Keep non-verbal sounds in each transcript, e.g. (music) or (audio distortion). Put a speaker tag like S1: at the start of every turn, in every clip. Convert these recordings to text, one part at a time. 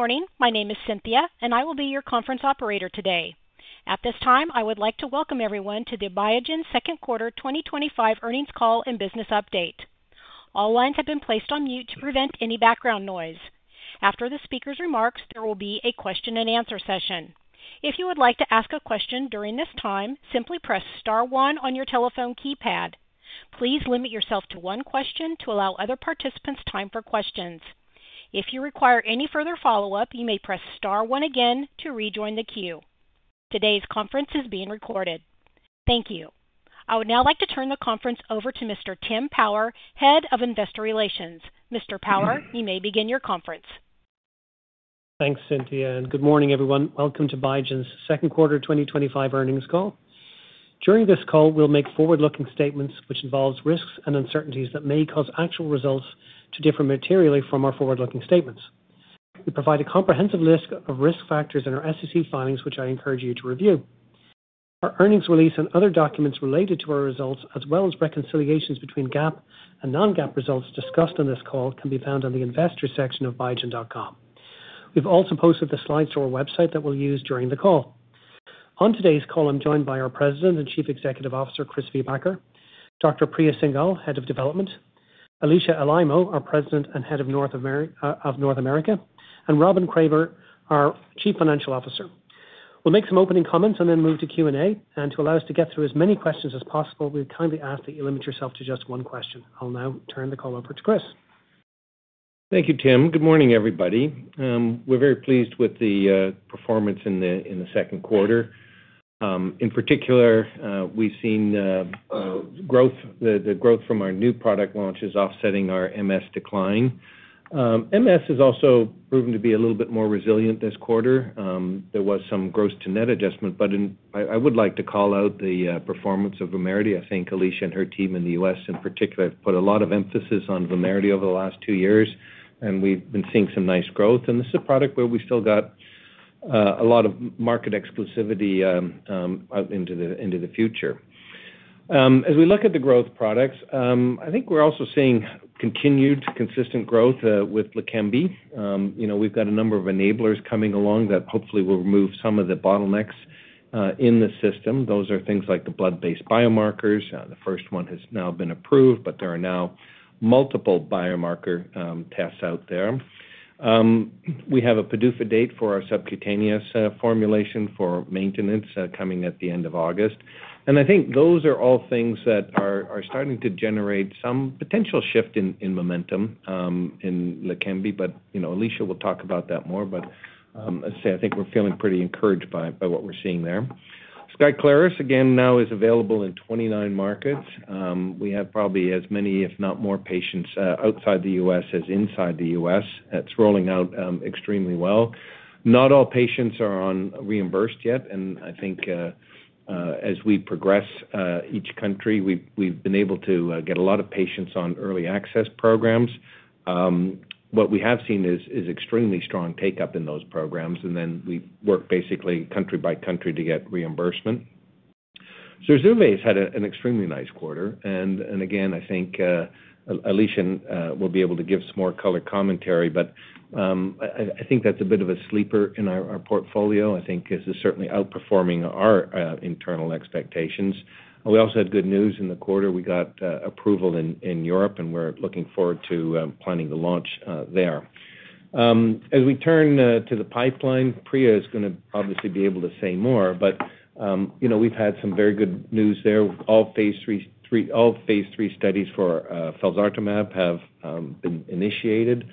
S1: Good morning. My name is Cynthia, and I will be your conference operator today. At this time, I would like to welcome everyone to the Biogen second quarter 2025 earnings call and business update. All lines have been placed on mute to prevent any background noise. After the speaker's remarks, there will be a question-and-answer session. If you would like to ask a question during this time, simply press *1 on your telephone keypad. Please limit yourself to one question to allow other participants time for questions. If you require any further follow-up, you may press *1 again to rejoin the queue. Today's conference is being recorded. Thank you. I would now like to turn the conference over to Mr. Tim Power, Head of Investor Relations. Mr. Power, you may begin your conference.
S2: Thanks, Cynthia, and good morning, everyone. Welcome to Biogen's second quarter 2025 earnings call. During this call, we'll make forward-looking statements, which involve risks and uncertainties that may cause actual results to differ materially from our forward-looking statements. We provide a comprehensive list of risk factors in our SEC filings, which I encourage you to review. Our earnings release and other documents related to our results, as well as reconciliations between GAAP and non-GAAP results discussed in this call, can be found on the investors section of biogen.com. We've also posted the slides to our website that we'll use during the call. On today's call, I'm joined by our President and Chief Executive Officer, Christopher Viehbacher, Dr. Priya Singhal, Head of Development, Alisha Alaimo, our President and Head of North America, and Robin Kramer, our Chief Financial Officer. We'll make some opening comments and then move to Q&A.To allow us to get through as many questions as possible, we kindly ask that you limit yourself to just one question. I'll now turn the call over to Chris.
S3: Thank you, Tim. Good morning, everybody. We're very pleased with the performance in the second quarter. In particular, we've seen the growth from our new product launches offsetting our MS decline. MS has also proven to be a little bit more resilient this quarter. There was some gross to net adjustment, but I would like to call out the performance of VUMERITY. I think Alisha and her team in the U.S., in particular, have put a lot of emphasis on VUMERITY over the last two years, and we've been seeing some nice growth. This is a product where we've still got a lot of market exclusivity out into the future. As we look at the growth products, I think we're also seeing continued consistent growth with LEQEMBI. We've got a number of enablers coming along that hopefully will remove some of the bottlenecks in the system. Those are things like the blood-based biomarkers, the first one has now been approved, but there are now multiple biomarker tests out there. We have a PDUFA date for our subcutaneous for mulation for maintenance coming at the end of August. I think those are all things that are starting to generate some potential shift in momentum in LEQEMBI, but Alisha will talk about that more. I think we're feeling pretty encouraged by what we're seeing there. SKYCLARYS, again, now is available in 29 markets. We have probably as many, if not more, patients outside the U.S. as inside the U.S. It's rolling out extremely well. Not all patients are reimbursed yet, and I think as we progress each country, we've been able to get a lot of patients on early access programs. What we have seen is extremely strong take-up in those programs, and then we work basically country by country to get reimbursement. ZURZUVAE has had an extremely nice quarter. I think Alisha will be able to give some more color commentary, but I think that's a bit of a sleeper in our portfolio. I think this is certainly outperforming our internal expectations. We also had good news in the quarter. We got approval in Europe, and we're looking forward to planning the launch there. As we turn to the pipeline, Priya is going to obviously be able to say more, but we've had some very good news there. All phase III studies for felzartamab have been initiated.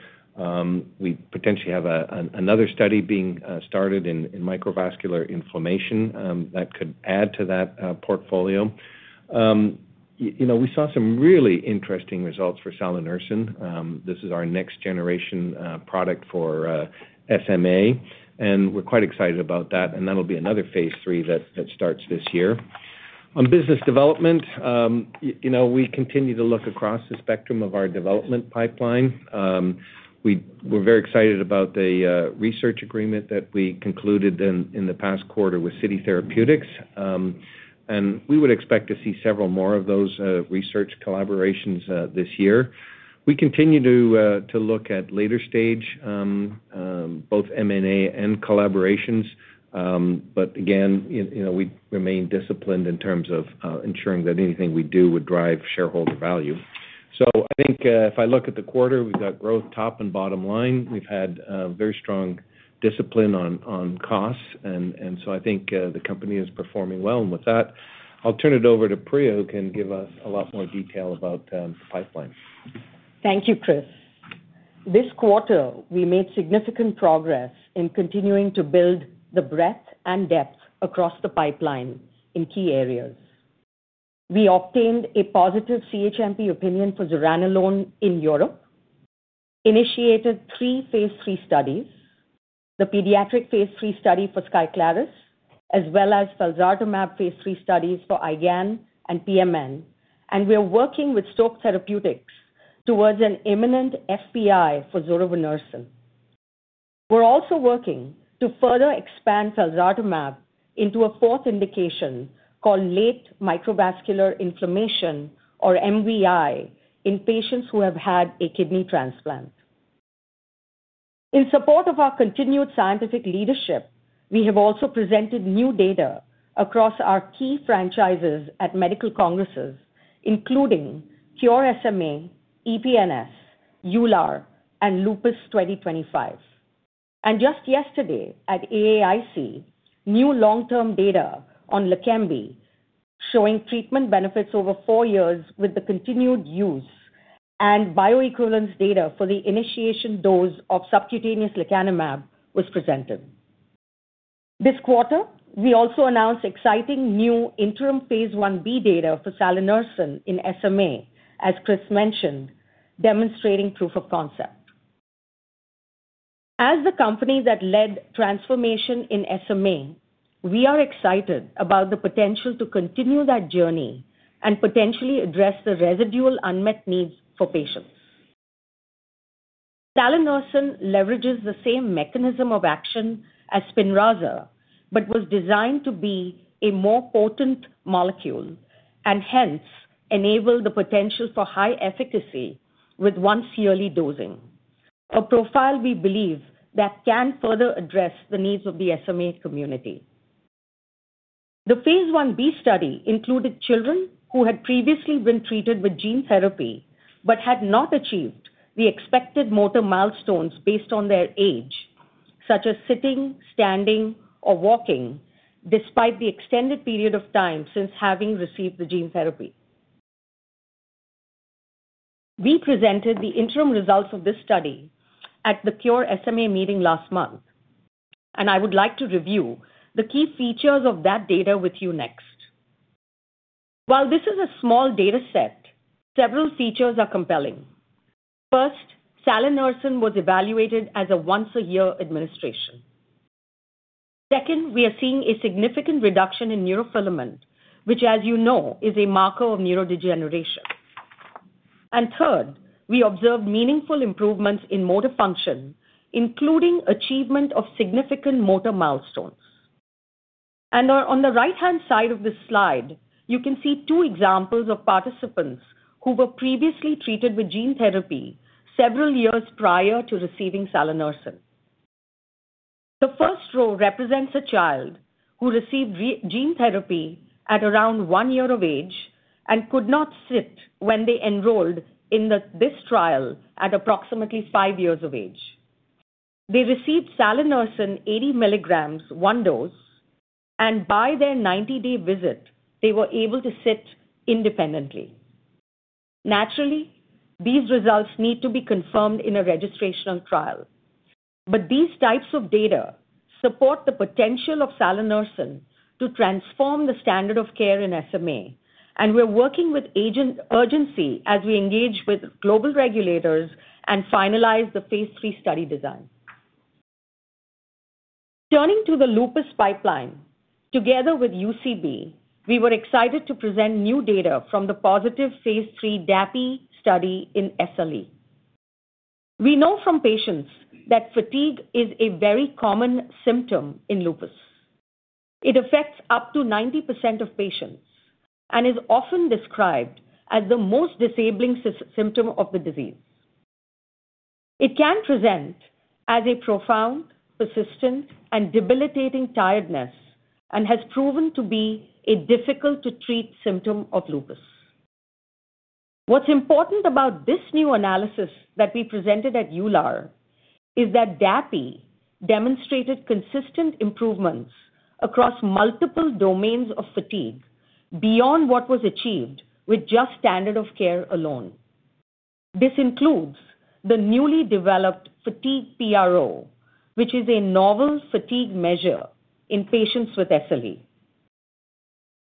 S3: We potentially have another study being started in microvascular inflammation that could add to that portfolio. We saw some really interesting results for salanersen. This is our next-generation product for SMA, and we're quite excited about that, that'll be another phase III that starts this year. On business development, we continue to look across the spectrum of our development pipeline. We're very excited about the research agreement that we concluded in the past quarter with City Therapeutics, and we would expect to see several more of those research collaborations this year. We continue to look at later stage, both M&A and collaborations. Again, we remain disciplined in terms of ensuring that anything we do would drive shareholder value. I think if I look at the quarter, we've got growth top and bottom line. We've had very strong discipline on costs, and I think the company is performing well. With that, I'll turn it over to Priya, who can give us a lot more detail about the pipeline.
S4: Thank you, Chris. This quarter, we made significant progress in continuing to build the breadth and depth across the pipeline in key areas. We obtained a positive CHMP opinion for ZURZUVAE in Europe. Initiated three phase III studies: the pediatric phase III study for SKYCLARYS, as well as felzartamab phase III studies for IgAN and PMN. We are working with Stoke Therapeutics towards an imminent FPI for salanersen. We are also working to further expand felzartamab into a fourth indication called late microvascular inflammation, or MVI, in patients who have had a kidney transplant. In support of our continued scientific leadership, we have also presented new data across our key franchises at medical congresses, including Cure SMA, EPNS, EULAR, and LUPUS 2025. Just yesterday, at AAIC, new long-term data on LEQEMBI showing treatment benefits over four years with continued use, and bioequivalence data for the initiation dose of subcutaneous lecanemab was presented. This quarter, we also announced exciting new interim phase 1b data for salanersen in SMA, as Chris mentioned, demonstrating proof of concept. As the company that led transformation in SMA, we are excited about the potential to continue that journey and potentially address the residual unmet needs for patients. Salanersen leverages the same mechanism of action as SPINRAZA but was designed to be a more potent molecule and hence enable the potential for high efficacy with once-yearly dosing, a profile we believe that can further address the needs of the SMA community. The phase 1b study included children who had previously been treated with gene therapy but had not achieved the expected motor milestones based on their age, such as sitting, standing, or walking, despite the extended period of time since having received the gene therapy. We presented the interim results of this study at the Cure SMA meeting last month. I would like to review the key features of that data with you next. While this is a small data set, several features are compelling. First, salanersen was evaluated as a once-a-year administration. Second, we are seeing a significant reduction in neurofilament, which, as you know, is a marker of neurodegeneration. Third, we observed meaningful improvements in motor function, including achievement of significant motor milestones. On the right-hand side of this slide, you can see two examples of participants who were previously treated with gene therapy several years prior to receiving salanersen. The first row represents a child who received gene therapy at around one year of age and could not sit when they enrolled in this trial at approximately five years of age. They received salanersen 80 milligrams, one dose, and by their 90-day visit, they were able to sit independently. Naturally, these results need to be confirmed in a registrational trial. These types of data support the potential of salanersen to transform the standard of care in SMA, and we're working with urgency as we engage with global regulators and finalize the phase III study design. Turning to the lupus pipeline, together with UCB, we were excited to present new data from the positive phase III daprolizumab study in SLE. We know from patients that fatigue is a very common symptom in lupus. It affects up to 90% of patients and is often described as the most disabling symptom of the disease. It can present as a profound, persistent, and debilitating tiredness and has proven to be a difficult-to-treat symptom of lupus. What's important about this new analysis that we presented at EULAR is that daprolizumab demonstrated consistent improvements across multiple domains of fatigue beyond what was achieved with just standard of care alone. This includes the newly developed FATIGUE-PRO, which is a novel fatigue measure in patients with SLE.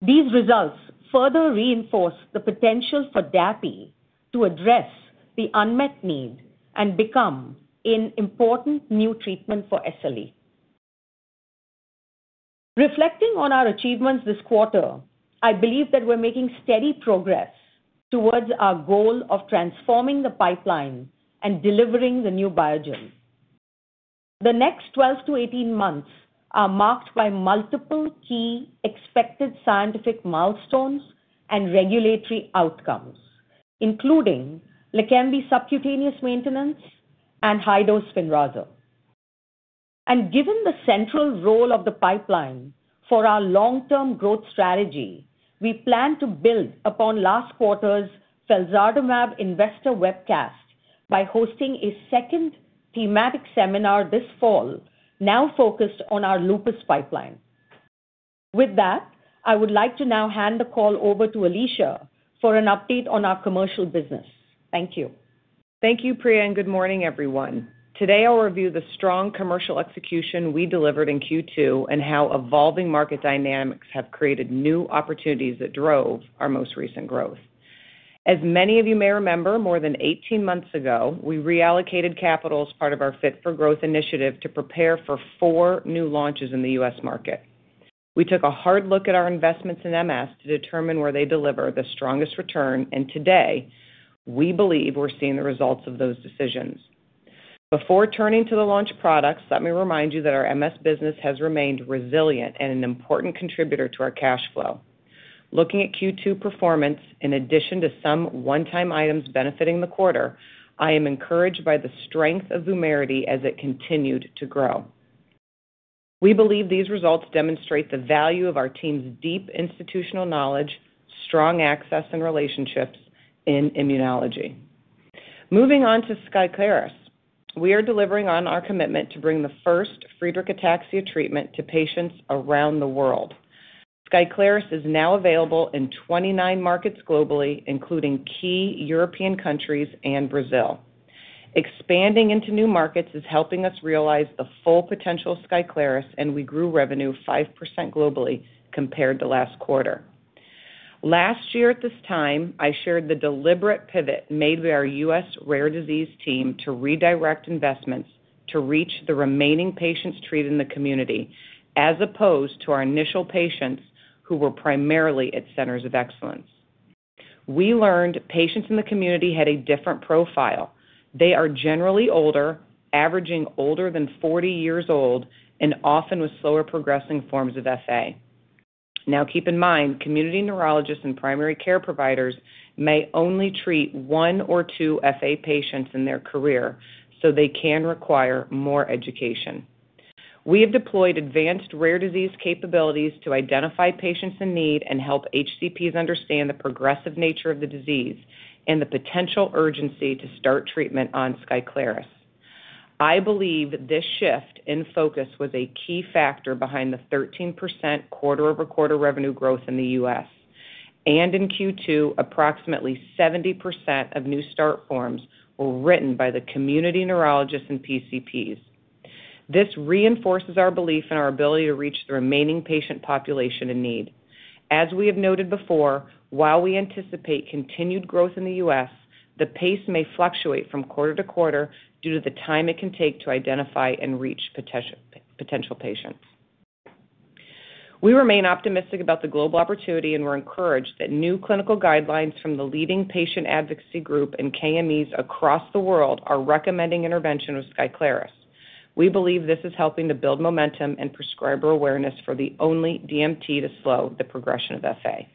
S4: These results further reinforce the potential for daprolizumab to address the unmet need and become an important new treatment for SLE. Reflecting on our achievements this quarter, I believe that we're making steady progress towards our goal of transforming the pipeline and delivering the new Biogen. The next 12 to 18 months are marked by multiple key expected scientific milestones and regulatory outcomes, including LEQEMBI subcutaneous maintenance and high-dose SPINRAZA. Given the central role of the pipeline for our long-term growth strategy, we plan to build upon last quarter's felzartamab investor webcast by hosting a second thematic seminar this fall, now focused on our lupus pipeline. With that, I would like to now hand the call over to Alisha for an update on our commercial business. Thank you.
S5: Thank you, Priya, and good morning, everyone. Today, I'll review the strong commercial execution we delivered in Q2 and how evolving market dynamics have created new opportunities that drove our most recent growth. As many of you may remember, more than 18 months ago, we reallocated capital as part of our Fit for Growth initiative to prepare for four new launches in the U.S. market. We took a hard look at our investments in MS to determine where they deliver the strongest return, and today, we believe we're seeing the results of those decisions. Before turning to the launch products, let me remind you that our MS business has remained resilient and an important contributor to our cash flow. Looking at Q2 performance, in addition to some one-time items benefiting the quarter, I am encouraged by the strength of VUMERITY as it continued to grow. We believe these results demonstrate the value of our team's deep institutional knowledge, strong access, and relationships in immunology. Moving on to SKYCLARYS, we are delivering on our commitment to bring the first Friedreich’s Ataxia treatment to patients around the world. SKYCLARYS is now available in 29 markets globally, including key European countries and Brazil. Expanding into new markets is helping us realize the full potential of SKYCLARYS, and we grew revenue 5% globally compared to last quarter. Last year, at this time, I shared the deliberate pivot made by our U.S. rare disease team to redirect investments to reach the remaining patients treated in the community, as opposed to our initial patients who were primarily at centers of excellence. We learned patients in the community had a different profile. They are generally older, averaging older than 40 years old, and often with slower progressing forms of FA. Now, keep in mind, community neurologists and primary care providers may only treat one or two FA patients in their career, so they can require more education. We have deployed advanced rare disease capabilities to identify patients in need and help HCPs understand the progressive nature of the disease and the potential urgency to start treatment on SKYCLARYS. I believe this shift in focus was a key factor behind the 13% quarter-over-quarter revenue growth in the U.S. In Q2, approximately 70% of new start forms were written by the community neurologists and PCPs. This reinforces our belief in our ability to reach the remaining patient population in need. As we have noted before, while we anticipate continued growth in the U.S., the pace may fluctuate from quarter-to-quarter due to the time it can take to identify and reach potential patients. We remain optimistic about the global opportunity and were encouraged that new clinical guidelines from the leading patient advocacy group and KMEs across the world are recommending intervention with SKYCLARYS. We believe this is helping to build momentum and prescriber awareness for the only DMT to slow the progression of Friedreich’s Ataxia.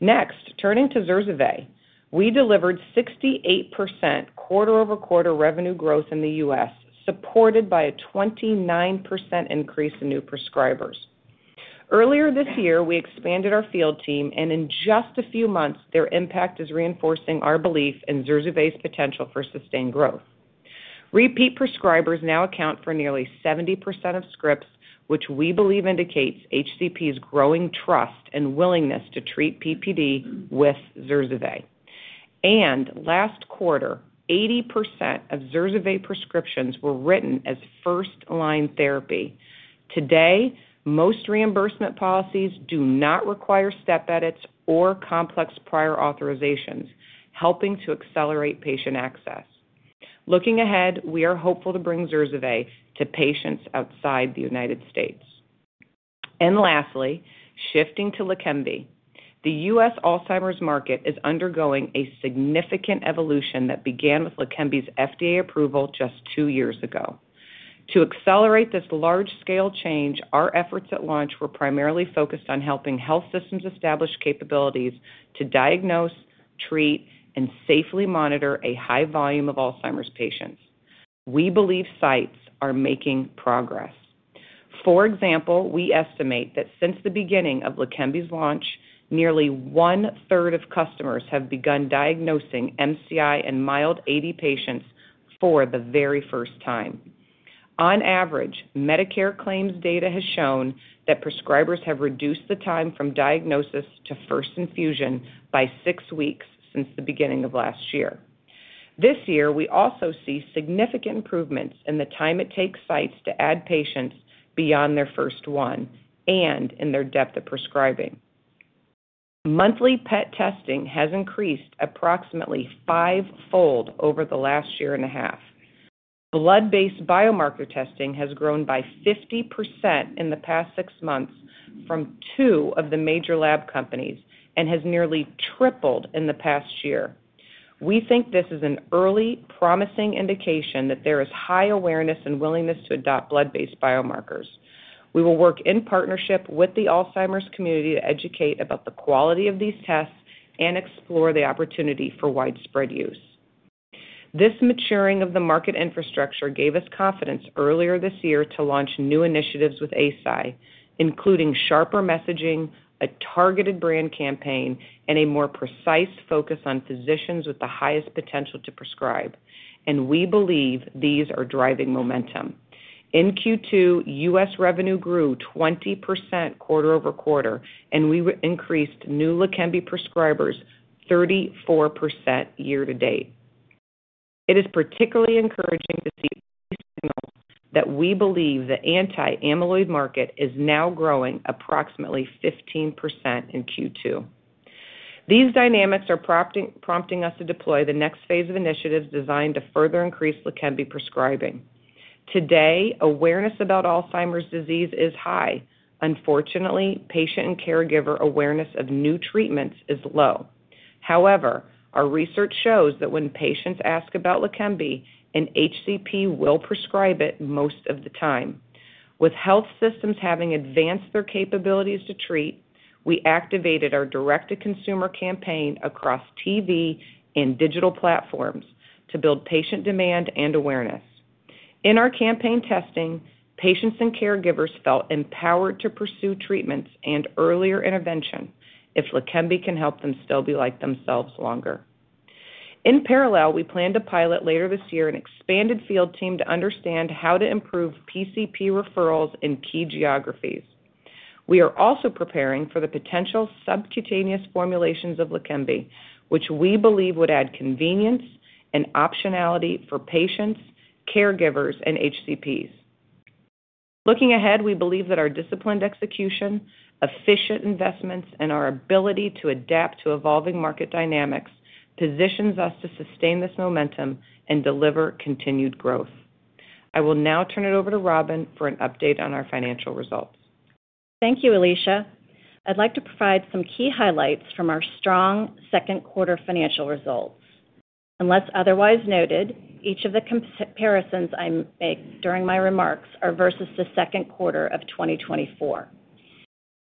S5: Next, turning to ZURZUVAE, we delivered 68% quarter-over-quarter revenue growth in the U.S., supported by a 29% increase in new prescribers. Earlier this year, we expanded our field team, and in just a few months, their impact is reinforcing our belief in ZURZUVAE's potential for sustained growth. Repeat prescribers now account for nearly 70% of scripts, which we believe indicates HCPs' growing trust and willingness to treat PPD with ZURZUVAE. Last quarter, 80% of ZURZUVAE prescriptions were written as first-line therapy. Today, most reimbursement policies do not require step edits or complex prior authorizations, helping to accelerate patient access. Looking ahead, we are hopeful to bring ZURZUVAE to patients outside the United States. Lastly, shifting to LEQEMBI, the U.S. Alzheimer's market is undergoing a significant evolution that began with LEQEMBI's FDA approval just two years ago. To accelerate this large-scale change, our efforts at launch were primarily focused on helping health systems establish capabilities to diagnose, treat, and safely monitor a high volume of Alzheimer's patients. We believe sites are making progress. For example, we estimate that since the beginning of LEQEMBI's launch, nearly one-third of customers have begun diagnosing MCI and mild Alzheimer's disease patients for the very first time. On average, Medicare claims data has shown that prescribers have reduced the time from diagnosis to first infusion by six weeks since the beginning of last year. This year, we also see significant improvements in the time it takes sites to add patients beyond their first one and in their depth of prescribing. Monthly PET testing has increased approximately fivefold over the last year and a half. Blood-based biomarker testing has grown by 50% in the past six months from two of the major lab companies and has nearly tripled in the past year. We think this is an early, promising indication that there is high awareness and willingness to adopt blood-based biomarkers. We will work in partnership with the Alzheimer's community to educate about the quality of these tests and explore the opportunity for widespread use. This maturing of the market infrastructure gave us confidence earlier this year to launch new initiatives with Eisai, including sharper messaging, a targeted brand campaign, and a more precise focus on physicians with the highest potential to prescribe. We believe these are driving momentum. In Q2, U.S. revenue grew 20% quarter-over-quarter, and we increased new LEQEMBI prescribers 34% year to date. It is particularly encouraging to see that we believe the anti-amyloid market is now growing approximately 15% in Q2. These dynamics are prompting us to deploy the next phase of initiatives designed to further increase LEQEMBI prescribing. Today, awareness about Alzheimer's disease is high. Unfortunately, patient and caregiver awareness of new treatments is low. However, our research shows that when patients ask about LEQEMBI, an HCP will prescribe it most of the time. With health systems having advanced their capabilities to treat, we activated our direct-to-consumer campaign across TV and digital platforms to build patient demand and awareness. In our campaign testing, patients and caregivers felt empowered to pursue treatments and earlier intervention if LEQEMBI can help them still be like themselves longer. In parallel, we plan to pilot later this year an expanded field team to understand how to improve PCP referrals in key geographies. We are also preparing for the potential subcutaneous formulations of LEQEMBI, which we believe would add convenience and optionality for patients, caregivers, and HCPs. Looking ahead, we believe that our disciplined execution, efficient investments, and our ability to adapt to evolving market dynamics positions us to sustain this momentum and deliver continued growth. I will now turn it over to Robin for an update on our financial results.
S6: Thank you, Alisha. I'd like to provide some key highlights from our strong second-quarter financial results. Otherwise, note each of the comparisons I make during my remarks are versus the second quarter of 2024.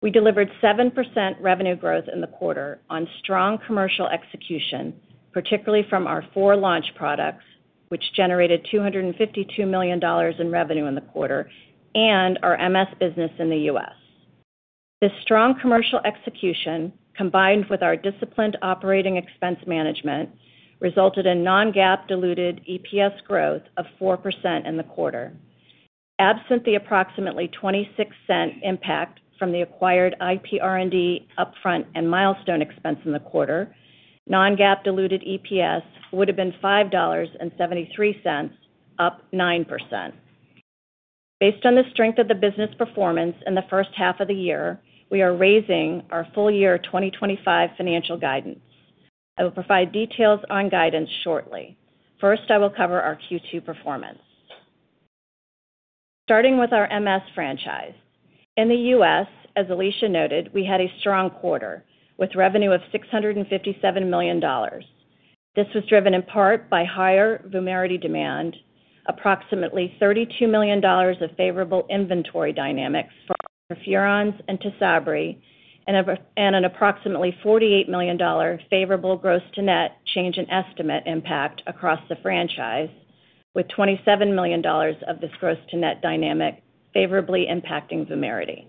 S6: We delivered 7% revenue growth in the quarter on strong commercial execution, particularly from our four launch products, which generated $252 million in revenue in the quarter, and our MS business in the U.S. The strong commercial execution, combined with our disciplined operating expense management, resulted in non-GAAP diluted EPS growth of 4% in the quarter. Absent the approximately $0.26 impact from the acquired IPR&D upfront and milestone expense in the quarter, non-GAAP diluted EPS would have been $5.73, up 9%. Based on the strength of the business performance in the first half of the year, we are raising our full-year 2025 financial guidance. I will provide details on guidance shortly. First, I will cover our Q2 performance. Starting with our MS franchise. In the U.S., as Alisha noted, we had a strong quarter with revenue of $657 million. This was driven in part by higher VUMERITY demand, approximately $32 million of favorable inventory dynamics (audio distortion) and TYSABRI, and an approximately $48 million favorable gross-to-net change in estimate impact across the franchise, with $27 million of this gross-to-net dynamic favorably impacting VUMERITY.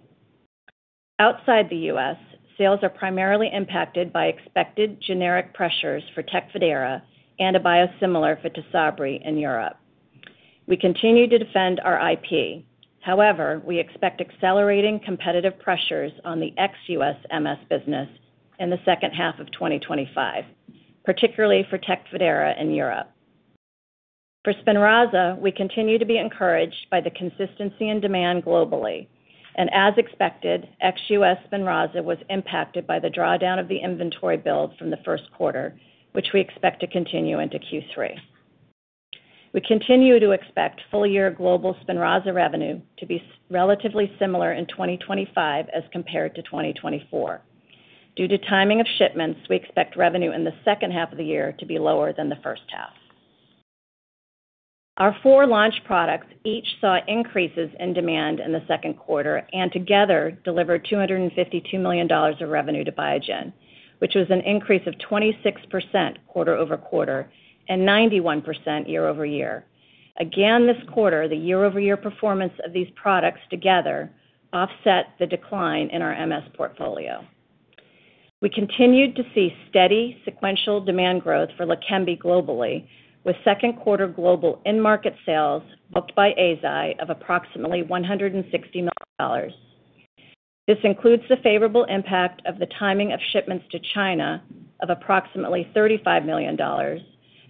S6: Outside the U.S., sales are primarily impacted by expected generic pressures for TECFIDERA and a biosimilar for TYSABRI in Europe. We continue to defend our IP, however, we expect accelerating competitive pressures on the ex-U.S. MS business in the second half of 2025, particularly for TECFIDERA in Europe. For SPINRAZA, we continue to be encouraged by the consistency in demand globally. As expected, ex-U.S. SPINRAZA was impacted by the drawdown of the inventory build from the first quarter, which we expect to continue into Q3. We continue to expect full-year global SPINRAZA revenue to be relatively similar in 2025 as compared to 2024. Due to timing of shipments, we expect revenue in the second half of the year to be lower than the first half. Our four launch products each saw increases in demand in the second quarter and together delivered $252 million of revenue to Biogen, which was an increase of 26% quarter-over-quarter and 91% year-over-year. This quarter, the year-over-year performance of these products together offset the decline in our MS portfolio. We continued to see steady sequential demand growth for LEQEMBI globally, with second-quarter global in-market sales booked by Eisai of approximately $160 million. This includes the favorable impact of the timing of shipments to China of approximately $35 million,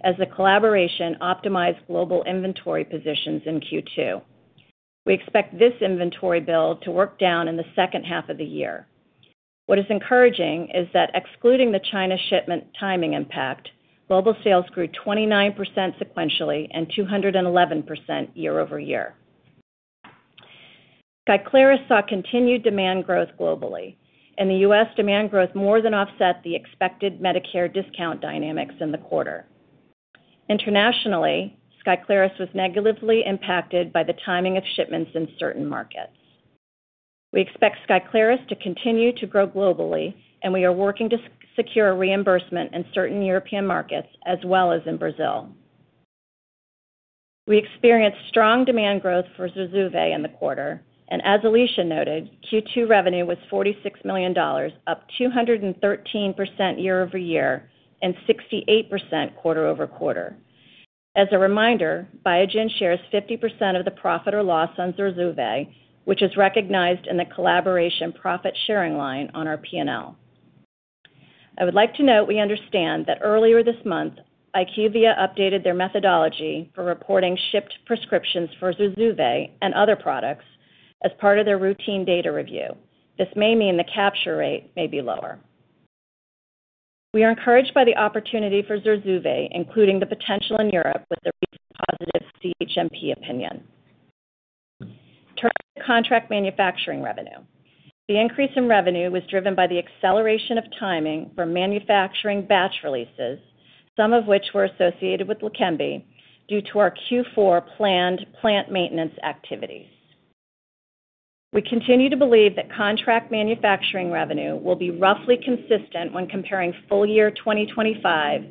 S6: as the collaboration optimized global inventory positions in Q2. We expect this inventory build to work down in the second half of the year. What is encouraging is that excluding the China shipment timing impact, global sales grew 29% sequentially and 211% year-over-year. SKYCLARYS saw continued demand growth globally. In the U.S., demand growth more than offset the expected Medicare discount dynamics in the quarter. Internationally, SKYCLARYS was negatively impacted by the timing of shipments in certain markets. We expect SKYCLARYS to continue to grow globally, and we are working to secure reimbursement in certain European markets as well as in Brazil. We experienced strong demand growth for ZURZUVAE in the quarter. As Alisha noted, Q2 revenue was $46 million, up 213% year-over-year and 68% quarter-over-quarter. As a reminder, Biogen shares 50% of the profit or loss on ZURZUVAE, which is recognized in the collaboration profit sharing line on our P&L. I would like to note we understand that earlier this month, IQVIA updated their methodology for reporting shipped prescriptions for ZURZUVAE and other products as part of their routine data review. This may mean the capture rate may be lower. We are encouraged by the opportunity for ZURZUVAE, including the potential in Europe with the recent positive CHMP opinion. Turning to contract manufacturing revenue, the increase in revenue was driven by the acceleration of timing for manufacturing batch releases, some of which were associated with LEQEMBI due to our Q4 planned plant maintenance activities. We continue to believe that contract manufacturing revenue will be roughly consistent when comparing full year 2025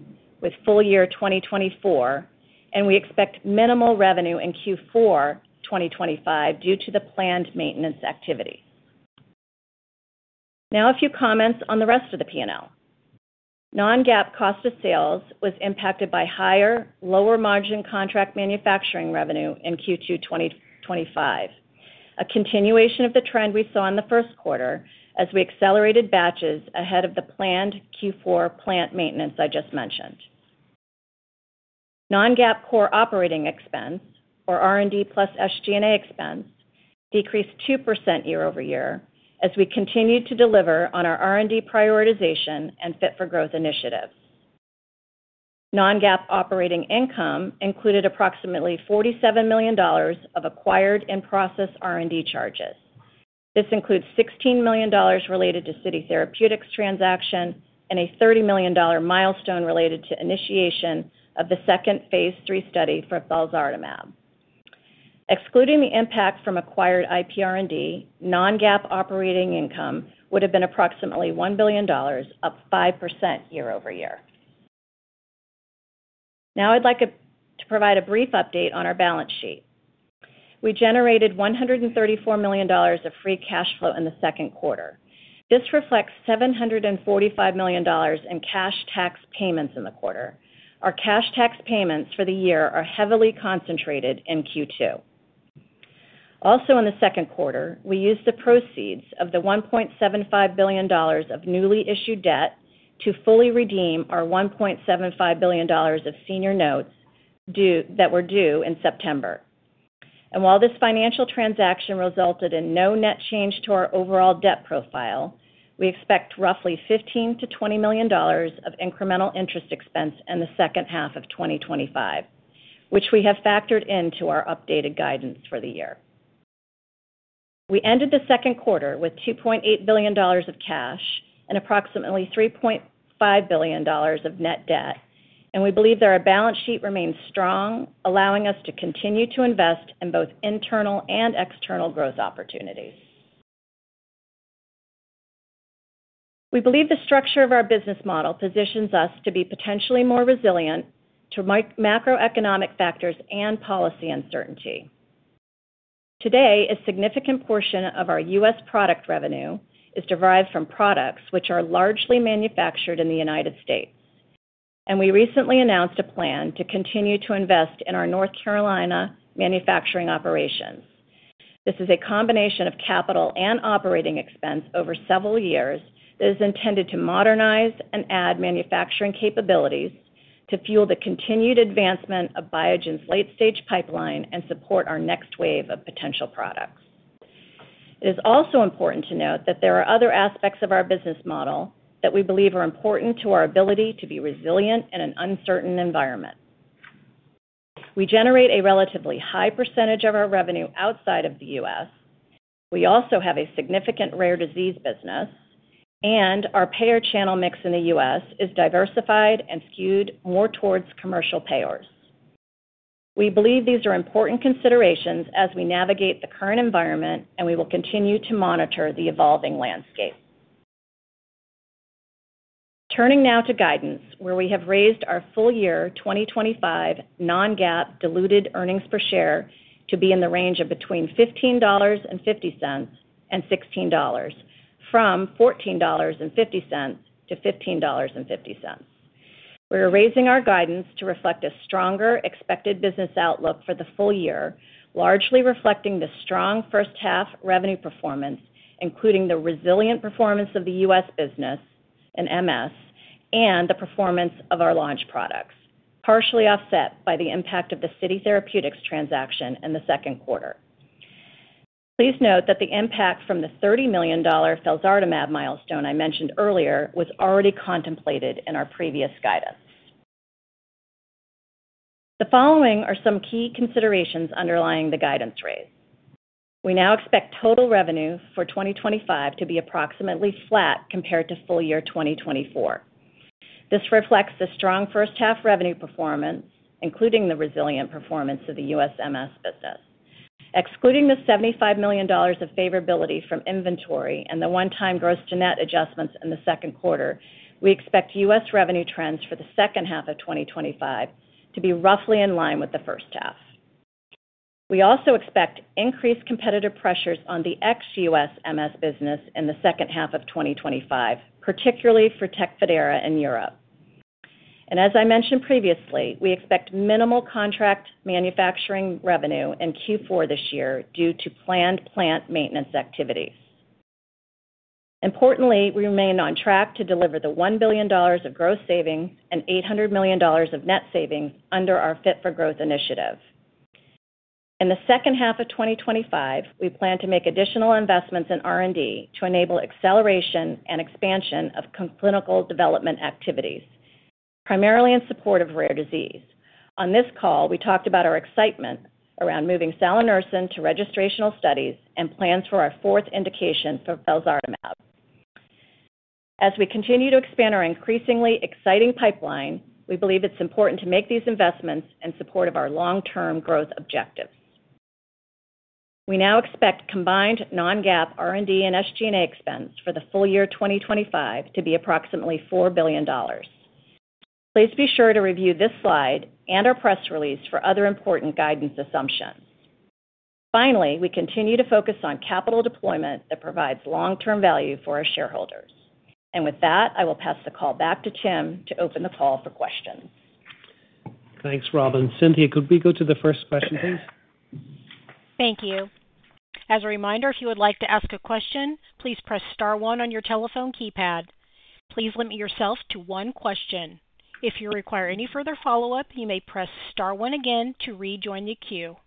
S6: with full year 2024, and we expect minimal revenue in Q4 2025 due to the planned maintenance activity. Now, a few comments on the rest of the P&L. Non-GAAP cost of sales was impacted by higher, lower-margin contract manufacturing revenue in Q2 2025, a continuation of the trend we saw in the first quarter as we accelerated batches ahead of the planned Q4 plant maintenance I just mentioned. Non-GAAP core operating expense, or R&D plus SG&A expense, decreased 2% year-over-year as we continued to deliver on our R&D prioritization and fit-for-growth initiatives. Non-GAAP operating income included approximately $47 million of acquired in-process R&D charges. This includes $16 million related to the City Therapeutics transaction and a $30 million milestone related to initiation of the second phase III study for salanersen. Excluding the impact from acquired IPR&D, non-GAAP operating income would have been approximately $1 billion, up 5% year-over-year. Now, I'd like to provide a brief update on our balance sheet. We generated $134 million of free cash flow in the second quarter. This reflects $745 million in cash tax payments in the quarter. Our cash tax payments for the year are heavily concentrated in Q2. Also, in the second quarter, we used the proceeds of the $1.75 billion of newly issued debt to fully redeem our $1.75 billion of senior notes that were due in September. While this financial transaction resulted in no net change to our overall debt profile, we expect roughly $15 to $20 million of incremental interest expense in the second half of 2025, which we have factored into our updated guidance for the year. We ended the second quarter with $2.8 billion of cash and approximately $3.5 billion of net debt. We believe that our balance sheet remains strong, allowing us to continue to invest in both internal and external growth opportunities. We believe the structure of our business model positions us to be potentially more resilient to macroeconomic factors and policy uncertainty. Today, a significant portion of our U.S. product revenue is derived from products which are largely manufactured in the United States. We recently announced a plan to continue to invest in our North Carolina manufacturing operations. This is a combination of capital and operating expense over several years that is intended to modernize and add manufacturing capabilities to fuel the continued advancement of Biogen's late-stage pipeline and support our next wave of potential products. It is also important to note that there are other aspects of our business model that we believe are important to our ability to be resilient in an uncertain environment. We generate a relatively high percentage of our revenue outside of the U.S. We also have a significant rare disease business. Our payer channel mix in the U.S. is diversified and skewed more towards commercial payers. We believe these are important considerations as we navigate the current environment, and we will continue to monitor the evolving landscape. Turning now to guidance, we have raised our full year 2025 non-GAAP diluted earnings per share to be in the range of $15.50 to $16.00, from $14.50 to $15.50. We are raising our guidance to reflect a stronger expected business outlook for the full year, largely reflecting the strong first-half revenue performance, including the resilient performance of the U.S. business, MS, and the performance of our launch products, partially offset by the impact of the City Therapeutics transaction in the second quarter. Please note that the impact from the $30 million felzartamab milestone I mentioned earlier was already contemplated in our previous guidance. The following are some key considerations underlying the guidance raise. We now expect total revenue for 2025 to be approximately flat compared to full year 2024. This reflects the strong first-half revenue performance, including the resilient performance of the U.S. MS business. Excluding the $75 million of favorability from inventory and the one-time gross-to-net adjustments in the second quarter, we expect U.S. revenue trends for the second half of 2025 to be roughly in line with the first half. We also expect increased competitive pressures on the ex-U.S. MS business in the second half of 2025, particularly for TECFIDERA in Europe. As I mentioned previously, we expect minimal contract manufacturing revenue in Q4 this year due to planned plant maintenance activities. Importantly, we remain on track to deliver the $1 billion of gross savings and $800 million of net savings under our fit-for-growth initiative. In the second half of 2025, we plan to make additional investments in R&D to enable acceleration and expansion of clinical development activities, primarily in support of rare disease. On this call, we talked about our excitement around moving salanersen to registrational studies and plans for our fourth indication for felzartamab. As we continue to expand our increasingly exciting pipeline, we believe it's important to make these investments in support of our long-term growth objectives. We now expect combined non-GAAP R&D and SG&A expense for the full year 2025 to be approximately $4 billion. Please be sure to review this slide and our press release for other important guidance assumptions. Finally, we continue to focus on capital deployment that provides long-term value for our shareholders. With that, I will pass the call back to Tim to open the call for questions.
S2: Thanks, Robin. Cynthia, could we go to the first question, please?
S1: Thank you. As a reminder, if you would like to ask a question, please press *1 on your telephone keypad. Please limit yourself to one question. If you require any further follow-up, you may press *1 again to rejoin the queue.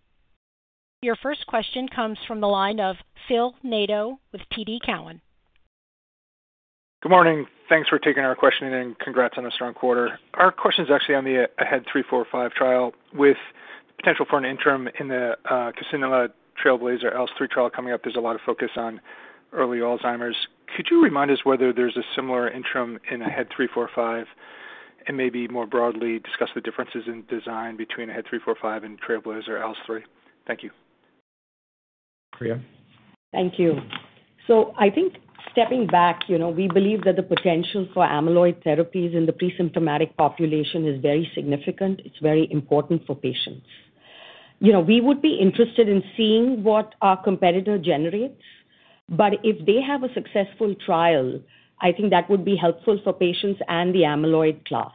S1: Your first question comes from the line of Phil Nadeau with TD Cowen.
S7: Good morning. Thanks for taking our question and congrats on a strong quarter. Our question is actually AHEAD 3-45 trial with potential for an interim in the CASSANOVA, TRAILBLAZER ALZ 3 trial coming up. There's a lot of focus on early Alzheimer's. Could you remind us whether there's a similar interim in AHEAD 345? Maybe more broadly discuss the differences in design between AHEAD 345 and TRAILBLAZER ALZ 3? Thank you.
S3: Priya?
S4: Thank you. I think stepping back, we believe that the potential for amyloid therapies in the pre-symptomatic population is very significant. It's very important for patients. We would be interested in seeing what our competitor generates. If they have a successful trial, I think that would be helpful for patients and the amyloid class.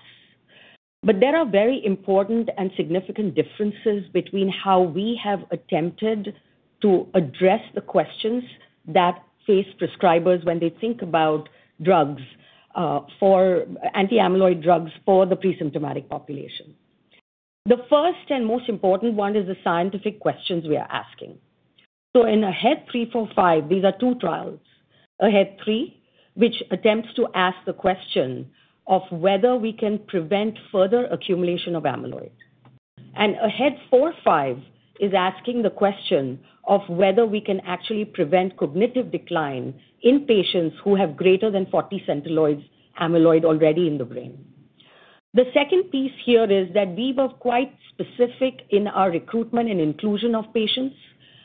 S4: There are very important and significant differences between how we have attempted to address the questions that face prescribers when they think about anti-amyloid drugs for the pre-symptomatic population. The first and most important one is the scientific questions we are asking. In AHEAD 345, these are two trials: AHEAD 3, which attempts to ask the question of whether we can prevent further accumulation of amyloid, and AHEAD 45 is asking the question of whether we can actually prevent cognitive decline in patients who have greater than 40 centiloids amyloid already in the brain. The second piece here is that we were quite specific in our recruitment and inclusion of patients.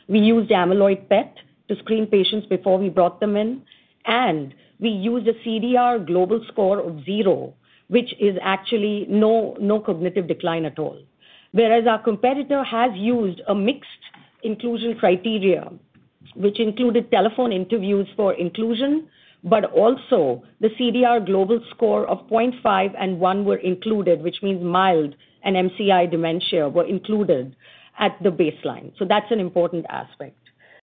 S4: We used amyloid PET to screen patients before we brought them in, and we used a CDR global score of zero, which is actually no cognitive decline at all. Whereas our competitor has used a mixed inclusion criteria, which included telephone interviews for inclusion, but also the CDR global score of 0.5 and 1 were included, which means mild and MCI dementia were included at the baseline. That's an important aspect.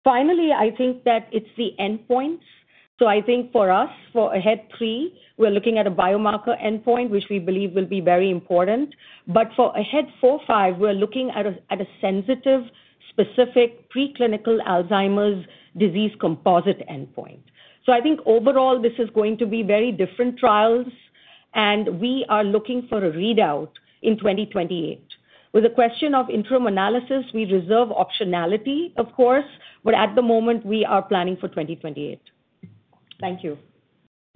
S4: Finally, I think that it's the endpoints. I think for us, for AHEAD 3, we're looking at a biomarker endpoint, which we believe will be very important. For AHEAD 45, we're looking at a sensitive, specific preclinical Alzheimer's disease composite endpoint. I think overall, this is going to be very different trials. We are looking for a readout in 2028. With the question of interim analysis, we reserve optionality, of course, but at the moment, we are planning for 2028. Thank you.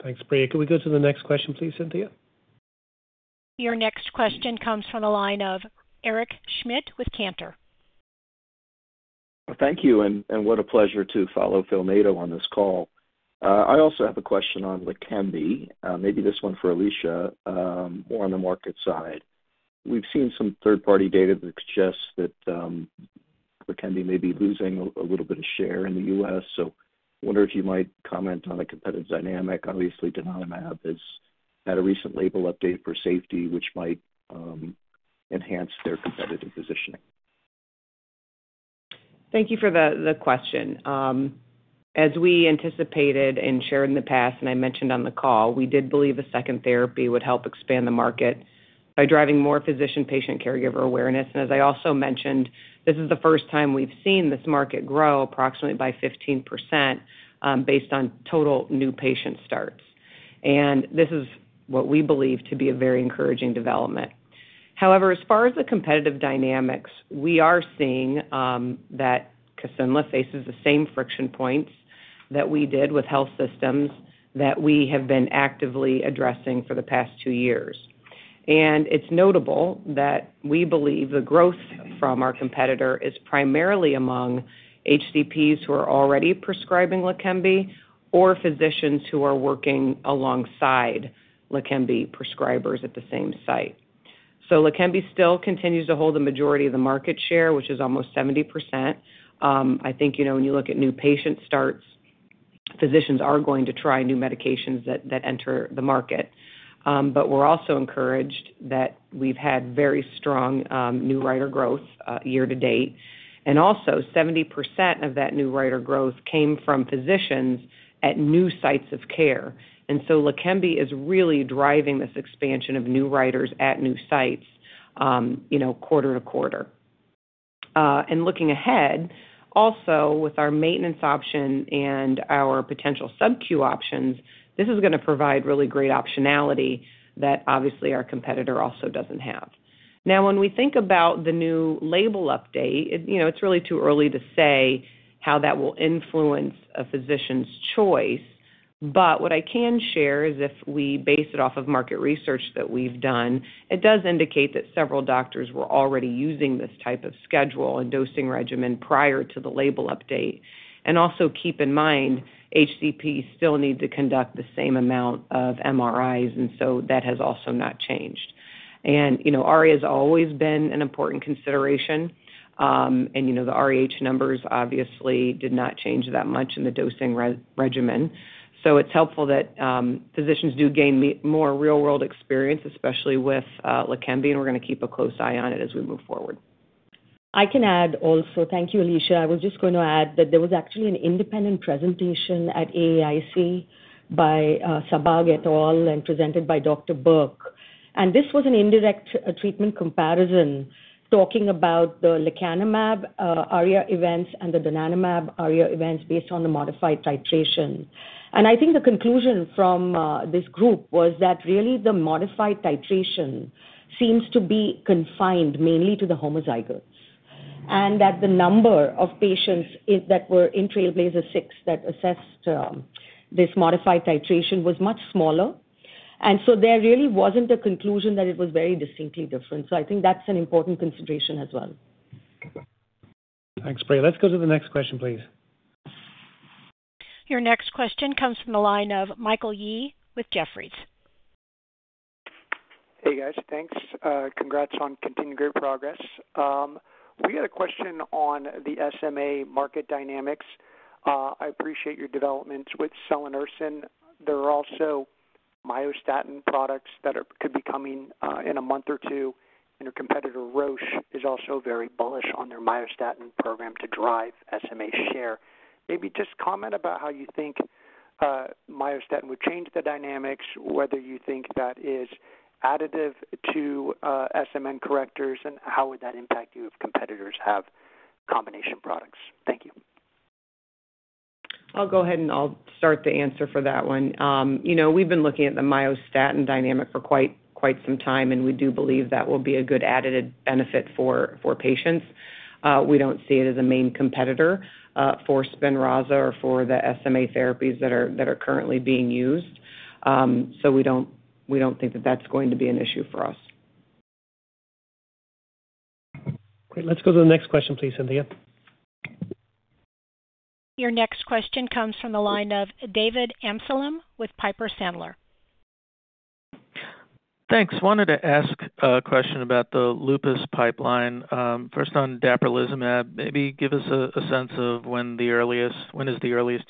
S2: Thanks, Priya. Could we go to the next question, please, Cynthia?
S1: Your next question comes from the line of Eric Schmidt with Cantor.
S8: Thank you. What a pleasure to follow Phil Nadeau on this call. I also have a question on LEQEMBI. Maybe this one for Alisha. More on the market side. We've seen some third-party data that suggests that LEQEMBI may be losing a little bit of share in the U.S. I wonder if you might comment on a competitive dynamic? Obviously, donanemab has had a recent label update for safety, which might enhance their competitive positioning.
S5: Thank you for the question. As we anticipated and shared in the past, and I mentioned on the call, we did believe a second therapy would help expand the market by driving more physician-patient caregiver awareness. As I also mentioned, this is the first time we've seen this market grow approximately by 15% based on total new patient starts. This is what we believe to be a very encouraging development. However, as far as the competitive dynamics, we are seeing that donanemab faces the same friction points that we did with health systems that we have been actively addressing for the past two years. It's notable that we believe the growth from our competitor is primarily among HCPs who are already prescribing LEQEMBI or physicians who are working alongside LEQEMBI prescribers at the same site. LEQEMBI still continues to hold the majority of the market share, which is almost 70%. I think when you look at new patient starts, physicians are going to try new medications that enter the market. We're also encouraged that we've had very strong new writer growth year to date. Also, 70% of that new writer growth came from physicians at new sites of care. LEQEMBI is really driving this expansion of new writers at new sites quarter-to-quarter. Looking ahead, with our maintenance option and our potential sub-q options, this is going to provide really great optionality that obviously our competitor also doesn't have. When we think about the new label update, it's really too early to say how that will influence a physician's choice. What I can share is if we base it off of market research that we've done, it does indicate that several doctors were already using this type of schedule and dosing regimen prior to the label update. Also, keep in mind, HCPs still need to conduct the same amount of MRIs, and that has also not changed. RA has always been an important consideration, and the RA numbers obviously did not change that much in the dosing regimen. It's helpful that physicians do gain more real-world experience, especially with McKenzie, and we're going to keep a close eye on it as we move forward.
S4: I can add also, thank you, Alisha. I was just going to add that there was actually an independent presentation at AAIC by Sabag et al. and presented by Dr. Burke. This was an indirect treatment comparison talking about the lecanemab RA events and the denanemab RA events based on the modified titration. I think the conclusion from this group was that the modified titration seems to be confined mainly to the homozygotes, and that the number of patients that were in TRAILBLAZER 6 that assessed this modified titration was much smaller. There really wasn't a conclusion that it was very distinctly different. I think that's an important consideration as well.
S2: Thanks, Priya. Let's go to the next question, please.
S1: Your next question comes from the line of Michael Yee with Jefferies.
S9: Hey, guys. Thanks. Congrats on continued great progress. We had a question on the SMA market dynamics. I appreciate your developments with salanersen. There are also myostatin products that could be coming in a month or two, and your competitor, Roche, is also very bullish on their myostatin program to drive SMA share. Maybe just comment about how you think myostatin would change the dynamics, whether you think that is additive to SMN correctors, and how would that impact you if competitors have combination products? Thank you.
S5: I'll go ahead and I'll start the answer for that one. We've been looking at the myostatin dynamic for quite some time, and we do believe that will be a good additive benefit for patients. We don't see it as a main competitor for SPINRAZA or for the SMA therapies that are currently being used. We don't think that that's going to be an issue for us.
S2: Great. Let's go to the next question, please, Cynthia.
S1: Your next question comes from the line of David Amsellem with Piper Sandler.
S10: Thanks. Wanted to ask a question about the lupus pipeline. First on daprolizumab, maybe give us a sense of when is the earliest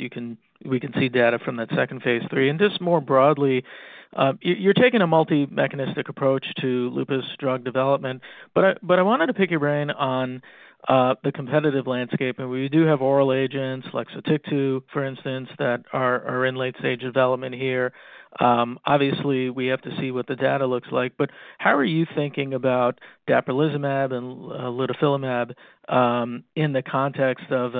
S10: we can see data from that second phase III. Just more broadly, you're taking a multi-mechanistic approach to lupus drug development. I wanted to pick your brain on the competitive landscape. We do have oral agents, SOTYKTU, for instance, that are in late-stage development here? Obviously, we have to see what the data looks like. How are you thinking about daprolizumab and lutophilimab in the context of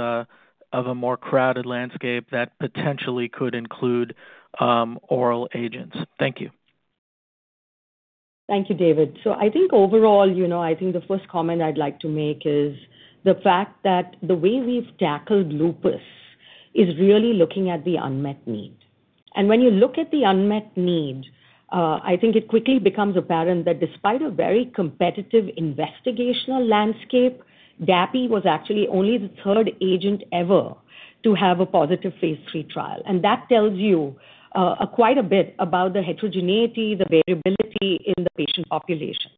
S10: a more crowded landscape that potentially could include oral agents? Thank you.
S4: Thank you, David. I think overall, the first comment I'd like to make is the fact that the way we've tackled lupus is really looking at the unmet need. When you look at the unmet need, I think it quickly becomes apparent that despite a very competitive investigational landscape, daprolizumab was actually only the third agent ever to have a positive phase III trial. That tells you quite a bit about the heterogeneity, the variability in the patient population,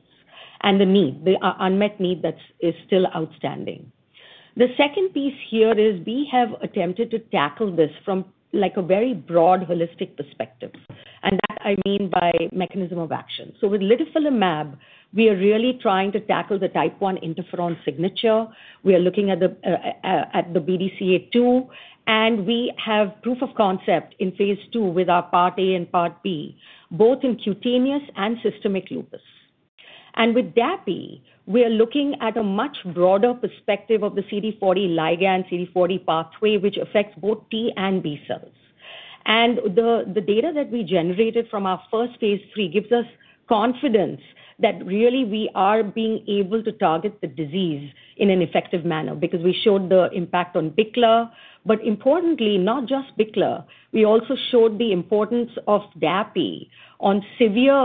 S4: and the unmet need that is still outstanding. The second piece here is we have attempted to tackle this from a very broad holistic perspective. By that I mean mechanism of action. With lutophilimab, we are really trying to tackle the type-1 interferon signature. We are looking at the BDCA-2. We have proof of concept in phase II with our part A and part B, both in cutaneous and systemic lupus. With daprolizumab, we are looking at a much broader perspective of the CD40 ligand, CD40 pathway, which affects both T and B cells. The data that we generated from our first phase III gives us confidence that we are being able to target the disease in an effective manner because we showed the impact on BICLA. Importantly, not just BICLA, we also showed the importance of daprolizumab on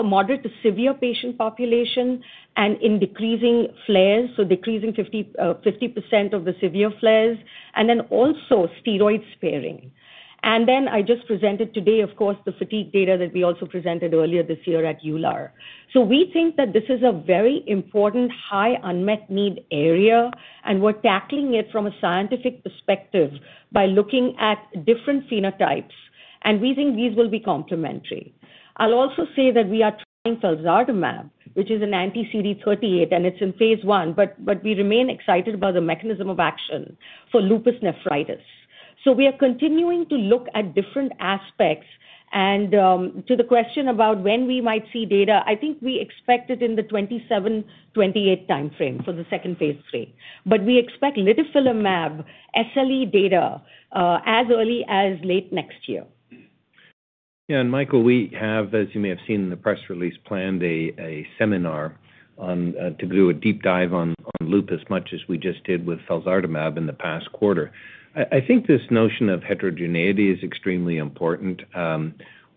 S4: moderate to severe patient population and in decreasing flares, so decreasing 50% of the severe flares, and then also steroid sparing. I just presented today, of course, the fatigue data that we also presented earlier this year at EULAR. We think that this is a very important high unmet need area, and we're tackling it from a scientific perspective by looking at different phenotypes. We think these will be complementary. I'll also say that we are trying felzartamab, which is an anti-CD38, and it's in phase 1, but we remain excited about the mechanism of action for lupus nephritis. We are continuing to look at different aspects. To the question about when we might see data, I think we expect it in the 2027-2028 timeframe for the second phase III. We expect lutophilimab SLE data as early as late next year.
S3: Michael, as you may have seen in the press release, we have planned a seminar to do a deep dive on lupus much as we just did with felzartamab in the past quarter. I think this notion of heterogeneity is extremely important.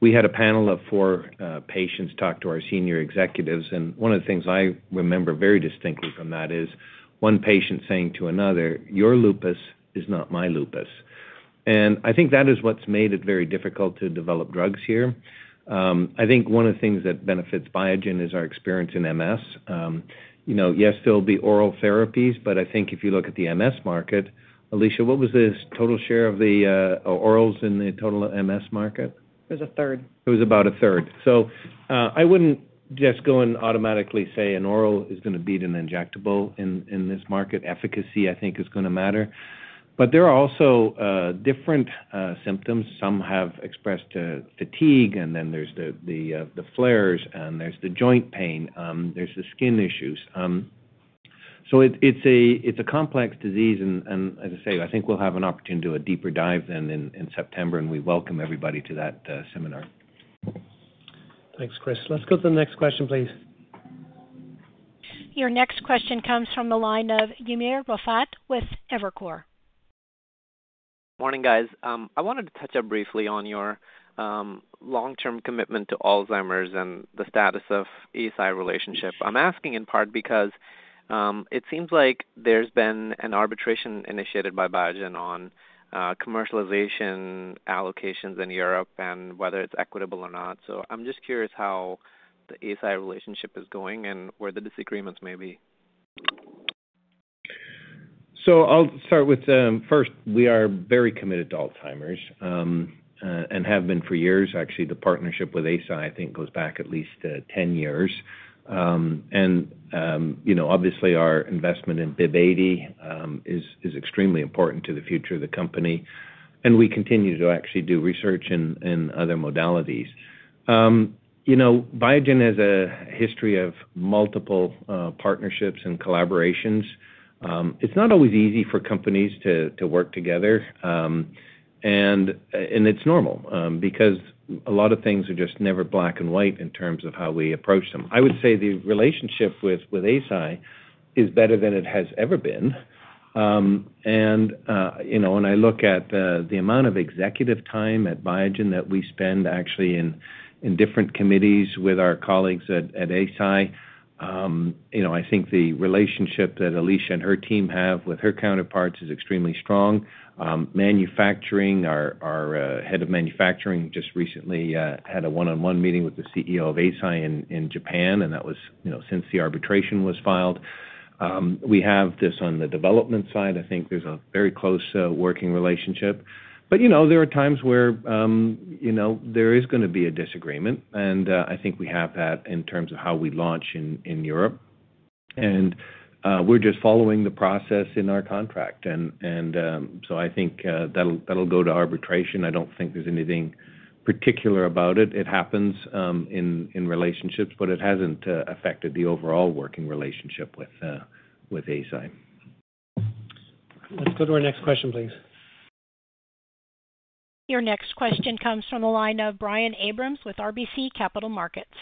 S3: We had a panel of four patients talk to our senior executives. One of the things I remember very distinctly from that is one patient saying to another, "Your lupus is not my lupus." I think that is what's made it very difficult to develop drugs here. One of the things that benefits Biogen is our experience in MS. There will be oral therapies, but I think if you look at the MS market, Alisha, what was the total share of the orals in the total MS market?
S5: It was a third.
S3: It was about a third. I wouldn't just go and automatically say an oral is going to beat an injectable in this market, efficacy, I think, is going to matter. There are also different symptoms. Some have expressed fatigue, and then there's the flares, and there's the joint pain. There's the skin issues. It's a complex disease. As I say, I think we'll have an opportunity to do a deeper dive then in September, and we welcome everybody to that seminar.
S2: Thanks, Chris. Let's go to the next question, please.
S1: Your next question comes from the line of Umer Raffat with Evercore.
S11: Morning, guys. I wanted to touch up briefly on your long-term commitment to Alzheimer's and the status of Eisai relationship. I'm asking in part because it seems like there's been an arbitration initiated by Biogen on commercialization allocations in Europe and whether it's equitable or not. I'm just curious how the Eisai relationship is going and where the disagreements may be.
S3: I'll start with first, we are very committed to Alzheimer's and have been for years. Actually, the partnership with Eisai, I think, goes back at least 10 years. Obviously, our investment in BIIB080 is extremely important to the future of the company. We continue to actually do research in other modalities. Biogen has a history of multiple partnerships and collaborations. It's not always easy for companies to work together. It's normal because a lot of things are just never black and white in terms of how we approach them. I would say the relationship with Eisai is better than it has ever been. When I look at the amount of executive time at Biogen that we spend actually in different committees with our colleagues at Eisai, I think the relationship that Alisha and her team have with her counterparts is extremely strong. Our Head of Manufacturing just recently had a one-on-one meeting with the CEO of Eisai in Japan, and that was since the arbitration was filed. On the development side, I think there's a very close working relationship. There are times where there is going to be a disagreement. I think we have that in terms of how we launch in Europe. We're just following the process in our contract. I think that'll go to arbitration. I don't think there's anything particular about it. It happens in relationships, but it hasn't affected the overall working relationship with Eisai.
S2: Let's go to our next question, please.
S1: Your next question comes from the line of Brian Abrams with RBC Capital Markets.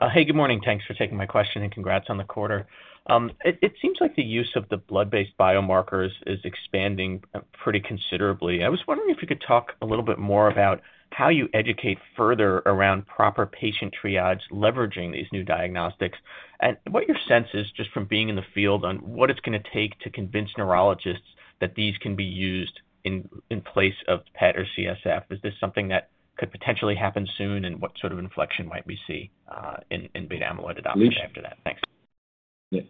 S12: Hey, good morning. Thanks for taking my question and congrats on the quarter. It seems like the use of the blood-based biomarkers is expanding pretty considerably. I was wondering if you could talk a little bit more about how you educate further around proper patient triage leveraging these new diagnostics, and what your sense is just from being in the field on what it's going to take to convince neurologists that these can be used in place of PET or CSF? Is this something that could potentially happen soon, and what sort of inflection might we see in beta-amyloid adoption after that? Thanks.
S3: Yeah.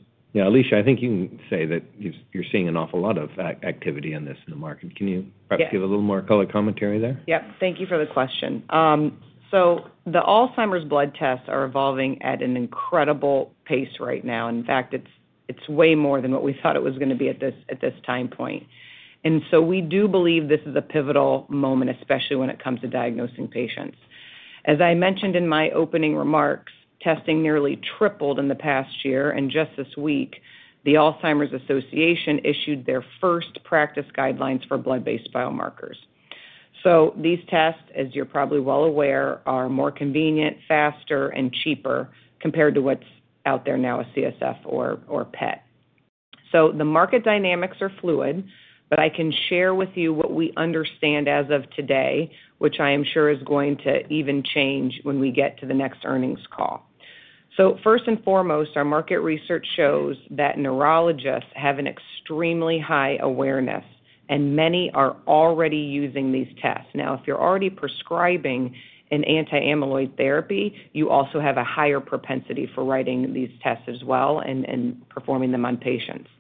S3: Alisha, I think you can say that you're seeing an awful lot of activity in this in the market. Can you perhaps give a little more color commentary there?
S5: Yep. Thank you for the question. The Alzheimer's blood tests are evolving at an incredible pace right now. In fact, it's way more than what we thought it was going to be at this time point. We do believe this is a pivotal moment, especially when it comes to diagnosing patients. As I mentioned in my opening remarks, testing nearly tripled in the past year. Just this week, the Alzheimer's Association issued their first practice guidelines for blood-based biomarkers. These tests, as you're probably well aware, are more convenient, faster, and cheaper compared to what's out there now, a CSF or PET. The market dynamics are fluid, but I can share with you what we understand as of today, which I am sure is going to even change when we get to the next earnings call. First and foremost, our market research shows that neurologists have an extremely high awareness, and many are already using these tests. If you're already prescribing an anti-amyloid therapy, you also have a higher propensity for writing these tests as well and performing them on patients.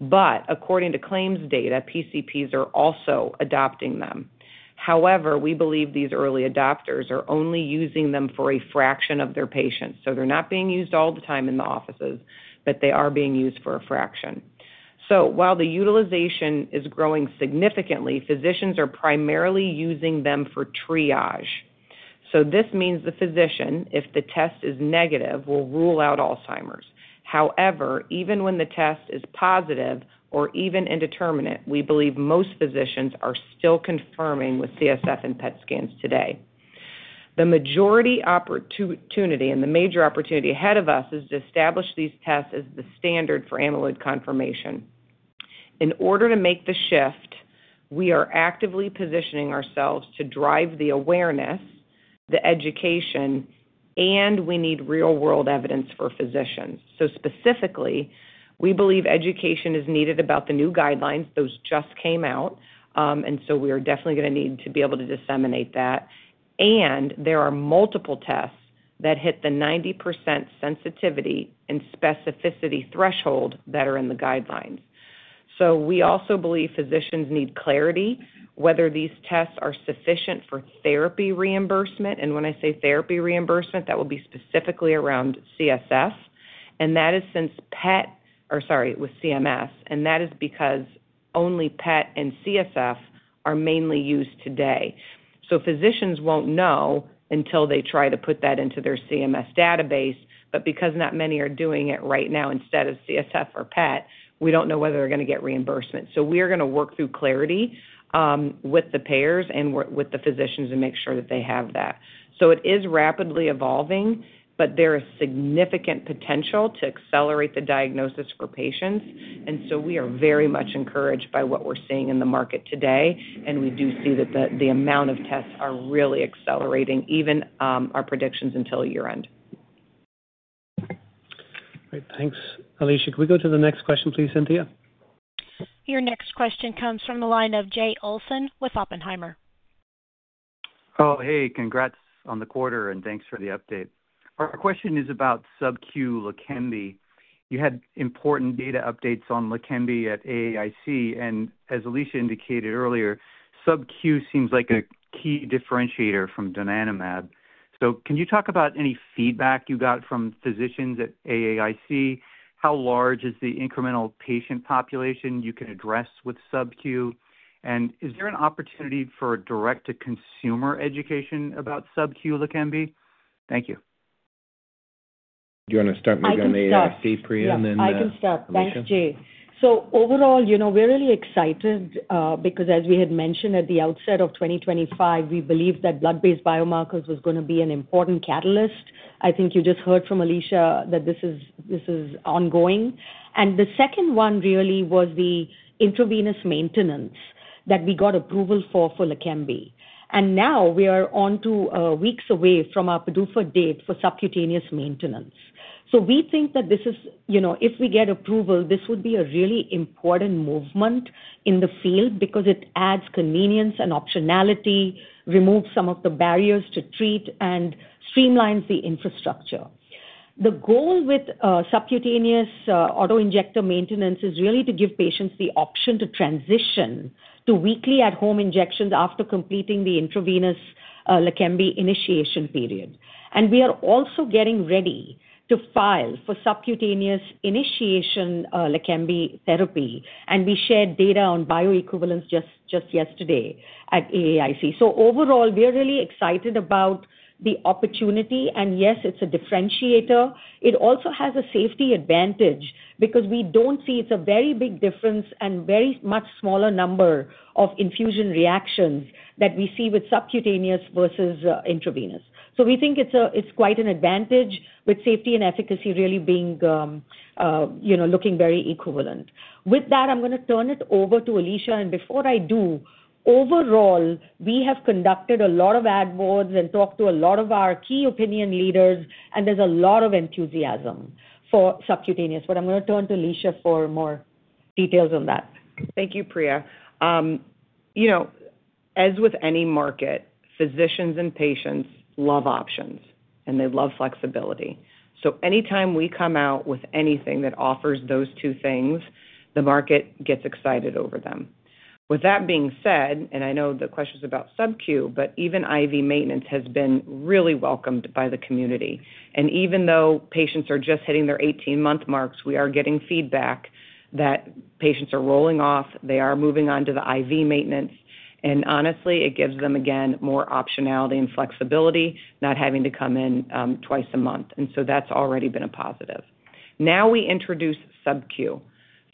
S5: According to claims data, PCPs are also adopting them. However, we believe these early adopters are only using them for a fraction of their patients. They're not being used all the time in the offices, but they are being used for a fraction. While the utilization is growing significantly, physicians are primarily using them for triage. This means the physician, if the test is negative, will rule out Alzheimer's. However, even when the test is positive or even indeterminate, we believe most physicians are still confirming with CSF and PET scans today. The majority opportunity and the major opportunity ahead of us is to establish these tests as the standard for amyloid confirmation. In order to make the shift, we are actively positioning ourselves to drive the awareness, the education, and we need real-world evidence for physicians. Specifically, we believe education is needed about the new guidelines. Those just came out. We are definitely going to need to be able to disseminate that. There are multiple tests that hit the 90% sensitivity and specificity threshold that are in the guidelines. We also believe physicians need clarity whether these tests are sufficient for therapy reimbursement. When I say therapy reimbursement, that will be specifically around CSF. That is since PET, or sorry, with CMS. That is because only PET and CSF are mainly used today. Physicians won't know until they try to put that into their CMS database. Because not many are doing it right now instead of CSF or PET, we don't know whether they're going to get reimbursement. We are going to work through clarity with the payers and with the physicians and make sure that they have that. It is rapidly evolving, but there is significant potential to accelerate the diagnosis for patients. We are very much encouraged by what we're seeing in the market today. We do see that the amount of tests are really accelerating even our predictions until year-end.
S2: Great. Thanks, Alisha. Can we go to the next question, please, Cynthia?
S1: Your next question comes from the line of Jay Olson with Oppenheimer.
S13: Oh, hey. Congrats on the quarter, and thanks for the update. Our question is about SubQ LEQEMBI. You had important data updates on LEQEMBI at AAIC. As Alisha indicated earlier, SubQ seems like a key differentiator from Donanemab. Can you talk about any feedback you got from physicians at AAIC? How large is the incremental patient population you can address with SubQ? Is there an opportunity for direct-to-consumer education about SubQ LEQEMBI? Thank you.
S3: Do you want to start me on the AAIC Priya and then?
S4: Yeah. I can start. Thanks, Jay. Overall, we're really excited because, as we had mentioned at the outset of 2025, we believed that blood-based biomarkers was going to be an important catalyst. I think you just heard from Alisha that this is ongoing. The second one really was the intravenous maintenance that we got approval for LEQEMBI. Now we are on to weeks away from our PDUFA date for subcutaneous maintenance. We think that this is, if we get approval, this would be a really important movement in the field because it adds convenience and optionality, removes some of the barriers to treat, and streamlines the infrastructure. The goal with subcutaneous autoinjector maintenance is really to give patients the option to transition to weekly at-home injections after completing the intravenous LEQEMBI initiation period. We are also getting ready to file for subcutaneous initiation LEQEMBI therapy. We shared data on bioequivalence just yesterday at AAIC. Overall, we are really excited about the opportunity. Yes, it's a differentiator. It also has a safety advantage because we don't see it's a very big difference and very much smaller number of infusion reactions that we see with subcutaneous versus intravenous. We think it's quite an advantage with safety and efficacy really being, looking very equivalent. With that, I'm going to turn it over to Alisha. Before I do, overall, we have conducted a lot of ad boards and talked to a lot of our key opinion leaders, and there's a lot of enthusiasm for subcutaneous. I'm going to turn to Alisha for more details on that.
S5: Thank you, Priya. As with any market, physicians and patients love options, and they love flexibility. Anytime we come out with anything that offers those two things, the market gets excited over them. With that being said, I know the question is about SubQ, but even IV maintenance has been really welcomed by the community. Even though patients are just hitting their 18-month marks, we are getting feedback that patients are rolling off. They are moving on to the IV maintenance. Honestly, it gives them, again, more optionality and flexibility, not having to come in twice a month, and that's already been a positive. Now we introduce SubQ.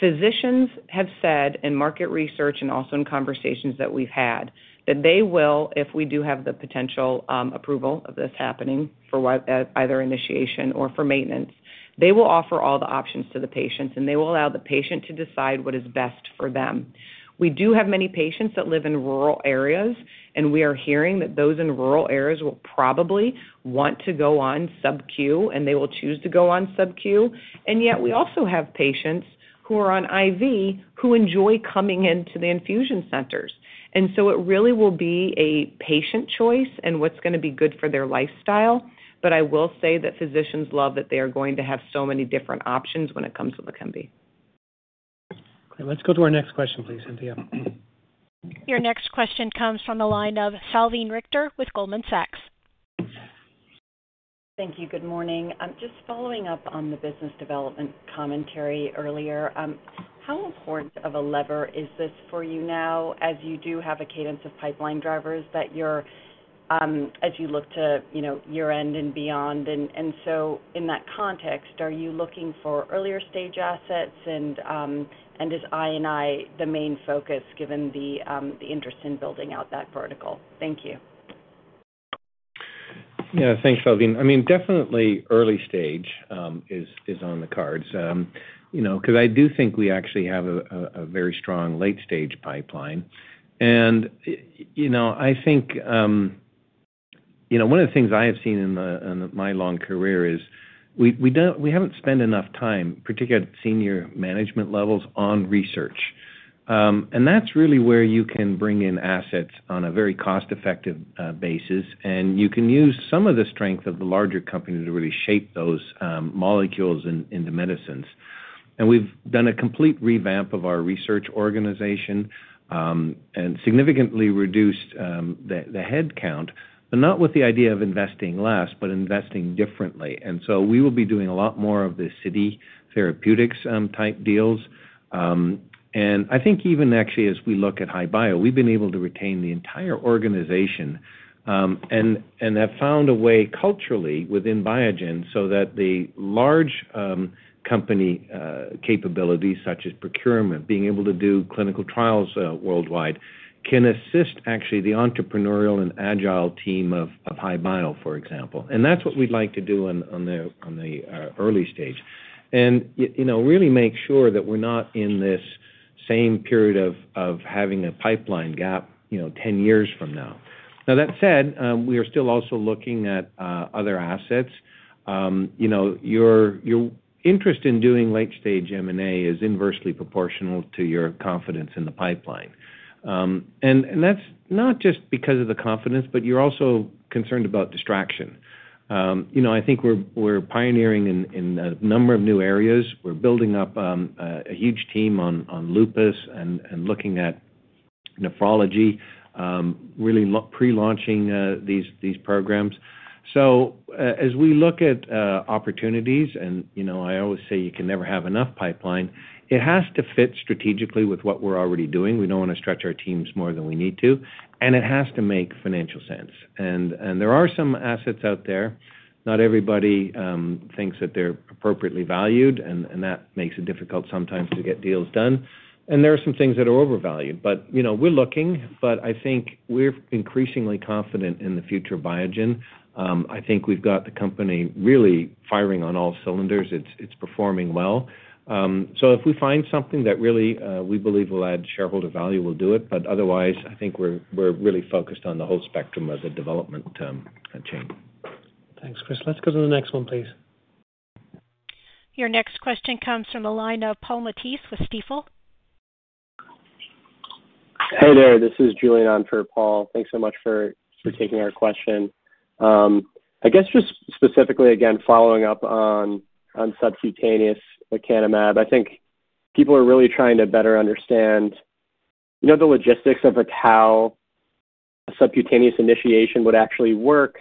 S5: Physicians have said in market research and also in conversations that we've had that they will, if we do have the potential approval of this happening for either initiation or for maintenance, offer all the options to the patients, and they will allow the patient to decide what is best for them. We do have many patients that live in rural areas, and we are hearing that those in rural areas will probably want to go on SubQ, and they will choose to go on SubQ. Yet, we also have patients who are on IV who enjoy coming into the infusion centers. It really will be a patient choice and what's going to be good for their lifestyle. I will say that physicians love that they are going to have so many different options when it comes to LEQEMBI.
S2: Let's go to our next question, please, Cynthia.
S1: Your next question comes from the line of Salveen Richter with Goldman Sachs.
S14: Thank you. Good morning. Just following up on the business development commentary earlier, how important of a lever is this for you now as you do have a cadence of pipeline drivers that you're, as you look to year-end and beyond? In that context, are you looking for earlier-stage assets, and is I&I the main focus given the interest in building out that vertical? Thank you.
S3: Yeah. Thanks, Salveen. I mean, definitely, early-stage is on the cards because I do think we actually have a very strong late-stage pipeline. I think. One of the things I have seen in my long career is we haven't spent enough time, particularly at senior management levels, on research. That's really where you can bring in assets on a very cost-effective basis. You can use some of the strength of the larger company to really shape those molecules into medicines. We've done a complete revamp of our research organization and significantly reduced the head count, but not with the idea of investing less, but investing differently. We will be doing a lot more of the City Therapeutics-type deals. I think even actually, as we look at Human Immunology Biosciences, we've been able to retain the entire organization and have found a way culturally within Biogen so that the large company capabilities, such as procurement and being able to do clinical trials worldwide, can assist the entrepreneurial and agile team of HI-Bio, for example. That's what we'd like to do on the early stage and really make sure that we're not in this same period of having a pipeline gap 10 years from now. That said, we are still also looking at other assets. Your interest in doing late-stage M&A is inversely proportional to your confidence in the pipeline. That's not just because of the confidence, but you're also concerned about distraction. I think we're pioneering in a number of new areas. We're building up a huge team on lupus and looking at nephrology, really pre-launching these programs. As we look at opportunities, and I always say you can never have enough pipeline, it has to fit strategically with what we're already doing. We don't want to stretch our teams more than we need to, and it has to make financial sense. There are some assets out there. Not everybody thinks that they're appropriately valued, and that makes it difficult sometimes to get deals done. There are some things that are overvalued. We're looking. I think we're increasingly confident in the future of Biogen. I think we've got the company really firing on all cylinders. It's performing well. If we find something that really we believe will add shareholder value, we'll do it. Otherwise, I think we're really focused on the whole spectrum of the development chain.
S2: Thanks, Chris. Let's go to the next one, please.
S1: Your next question comes from the line of Paul Matisse with Stifel.
S15: Hey there. This is Julian on for Paul. Thanks so much for taking our question. I guess just specifically, again, following up on, subcutaneous with LEQEMBI. I think people are really trying to better understand the logistics of how a subcutaneous initiation would actually work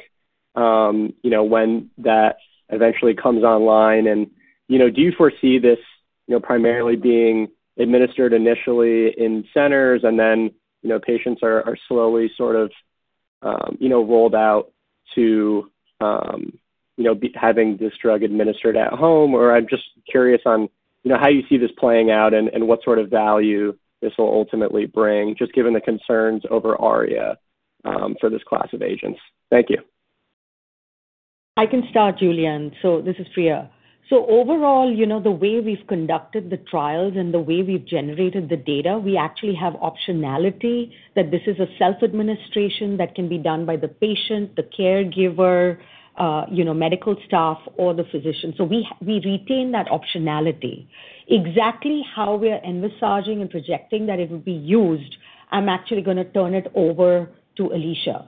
S15: when that eventually comes online. Do you foresee this primarily being administered initially in centers and then patients are slowly sort of rolled out to having this drug administered at home? I'm just curious on how you see this playing out and what sort of value this will ultimately bring, just given the concerns over ARIA for this class of agents? Thank you.
S4: I can start, Julian. This is Priya. Overall, the way we've conducted the trials and the way we've generated the data, we actually have optionality that this is a self-administration that can be done by the patient, the caregiver, medical staff, or the physician. We retain that optionality. Exactly how we're emphasizing and projecting that it would be used, I'm actually going to turn it over to Alisha.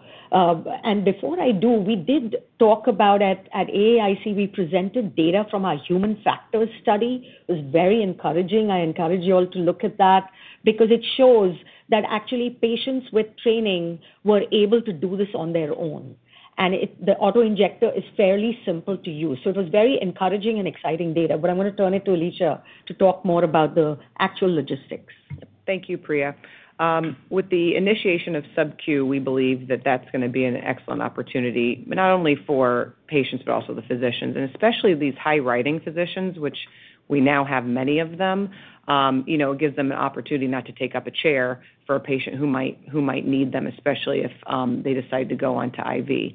S4: Before I do, we did talk about at AAIC, we presented data from our human factors study. It was very encouraging. I encourage you all to look at that because it shows that actually patients with training were able to do this on their own, and the autoinjector is fairly simple to use. It was very encouraging and exciting data. I'm going to turn it to Alisha to talk more about the actual logistics.
S5: Thank you, Priya. With the initiation of SubQ, we believe that that's going to be an excellent opportunity, not only for patients, but also the physicians, and especially these high-writing physicians, which we now have many of them. It gives them an opportunity not to take up a chair for a patient who might need them, especially if they decide to go on to IV.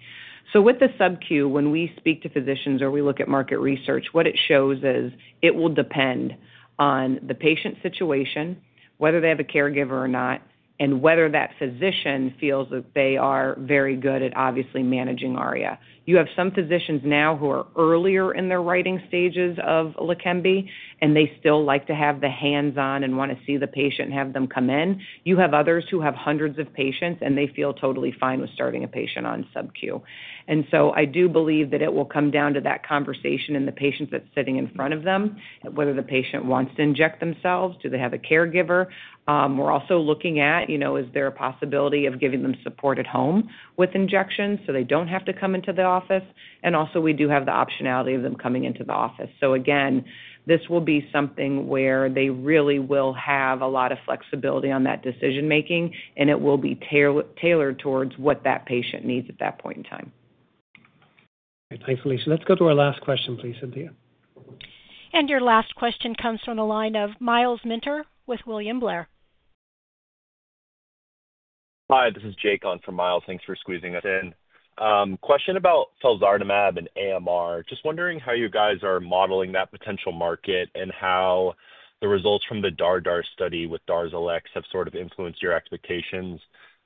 S5: With the SubQ, when we speak to physicians or we look at market research, what it shows is it will depend on the patient situation, whether they have a caregiver or not, and whether that physician feels that they are very good at obviously managing ARIA. You have some physicians now who are earlier in their writing stages of LEQEMBI, and they still like to have the hands-on and want to see the patient and have them come in. You have others who have hundreds of patients, and they feel totally fine with starting a patient on SubQ. I do believe that it will come down to that conversation and the patient that's sitting in front of them, whether the patient wants to inject themselves, do they have a caregiver. We're also looking at, is there a possibility of giving them support at home with injections so they don't have to come into the office? We do have the optionality of them coming into the office. This will be something where they really will have a lot of flexibility on that decision-making, and it will be tailored towards what that patient needs at that point in time.
S2: Thanks, Alisha. Let's go to our last question, please, Cynthia.
S1: Your last question comes from the line of Miles Minter with William Blair. Hi, this is Jake on from Miles. Thanks for squeezing us in. Question about felzartamab and AMR. Just wondering how you guys are modeling that potential market and how the results from the DARDAR study with DARZALEX have sort of influenced your expectations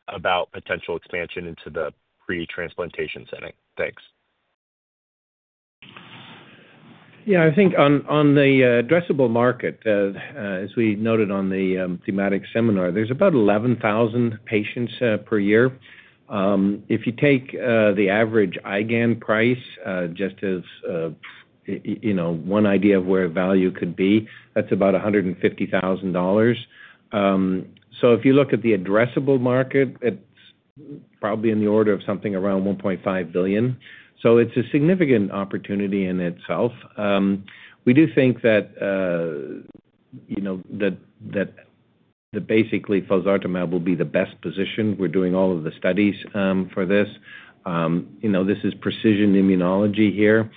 S1: about potential expansion into the pre-transplantation setting? Thanks.
S3: I think on the addressable market, as we noted on the thematic seminar, there's about 11,000 patients per year. If you take the average IgAN price, just as one idea of where value could be, that's about $150,000. If you look at the addressable market, it's probably in the order of something around $1.5 billion. It's a significant opportunity in itself. We do think that basically, felzartamab will be the best position. We're doing all of the studies for this. This is precision immunology here.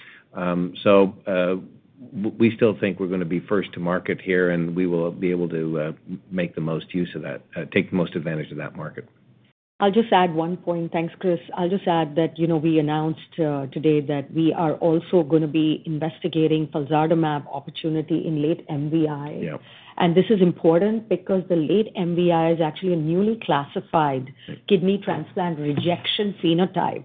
S3: We still think we're going to be first to market here, and we will be able to make the most use of that, take the most advantage of that market.
S4: I'll just add one point. Thanks, Chris. I'll just add that we announced today that we are also going to be investigating felzartamab opportunity in late microvascular inflammation. This is important because the late microvascular inflammation is actually a newly classified kidney transplant rejection phenotype.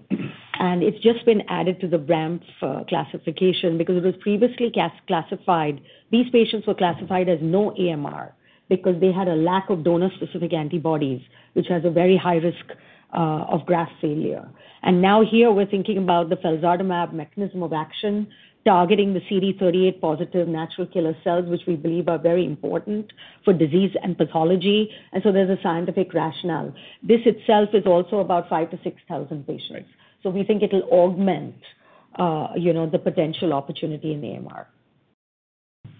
S4: It's just been added to the BRAMP classification because it was previously classified. These patients were classified as no AMR because they had a lack of donor-specific antibodies, which has a very high risk of graft failure. Now here, we're thinking about the felzartamab mechanism of action, targeting the CD38-positive natural killer cells, which we believe are very important for disease and pathology. There's a scientific rationale. This itself is also about 5,000 to 6,000 patients. We think it'll augment the potential opportunity in AMR.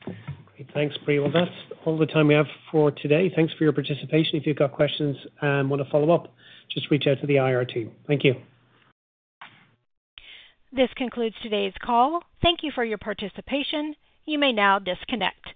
S2: Great. Thanks, Priya. That's all the time we have for today. Thanks for your participation. If you've got questions and want to follow up, just reach out to the IRT. Thank you.
S1: This concludes today's call. Thank you for your participation. You may now disconnect.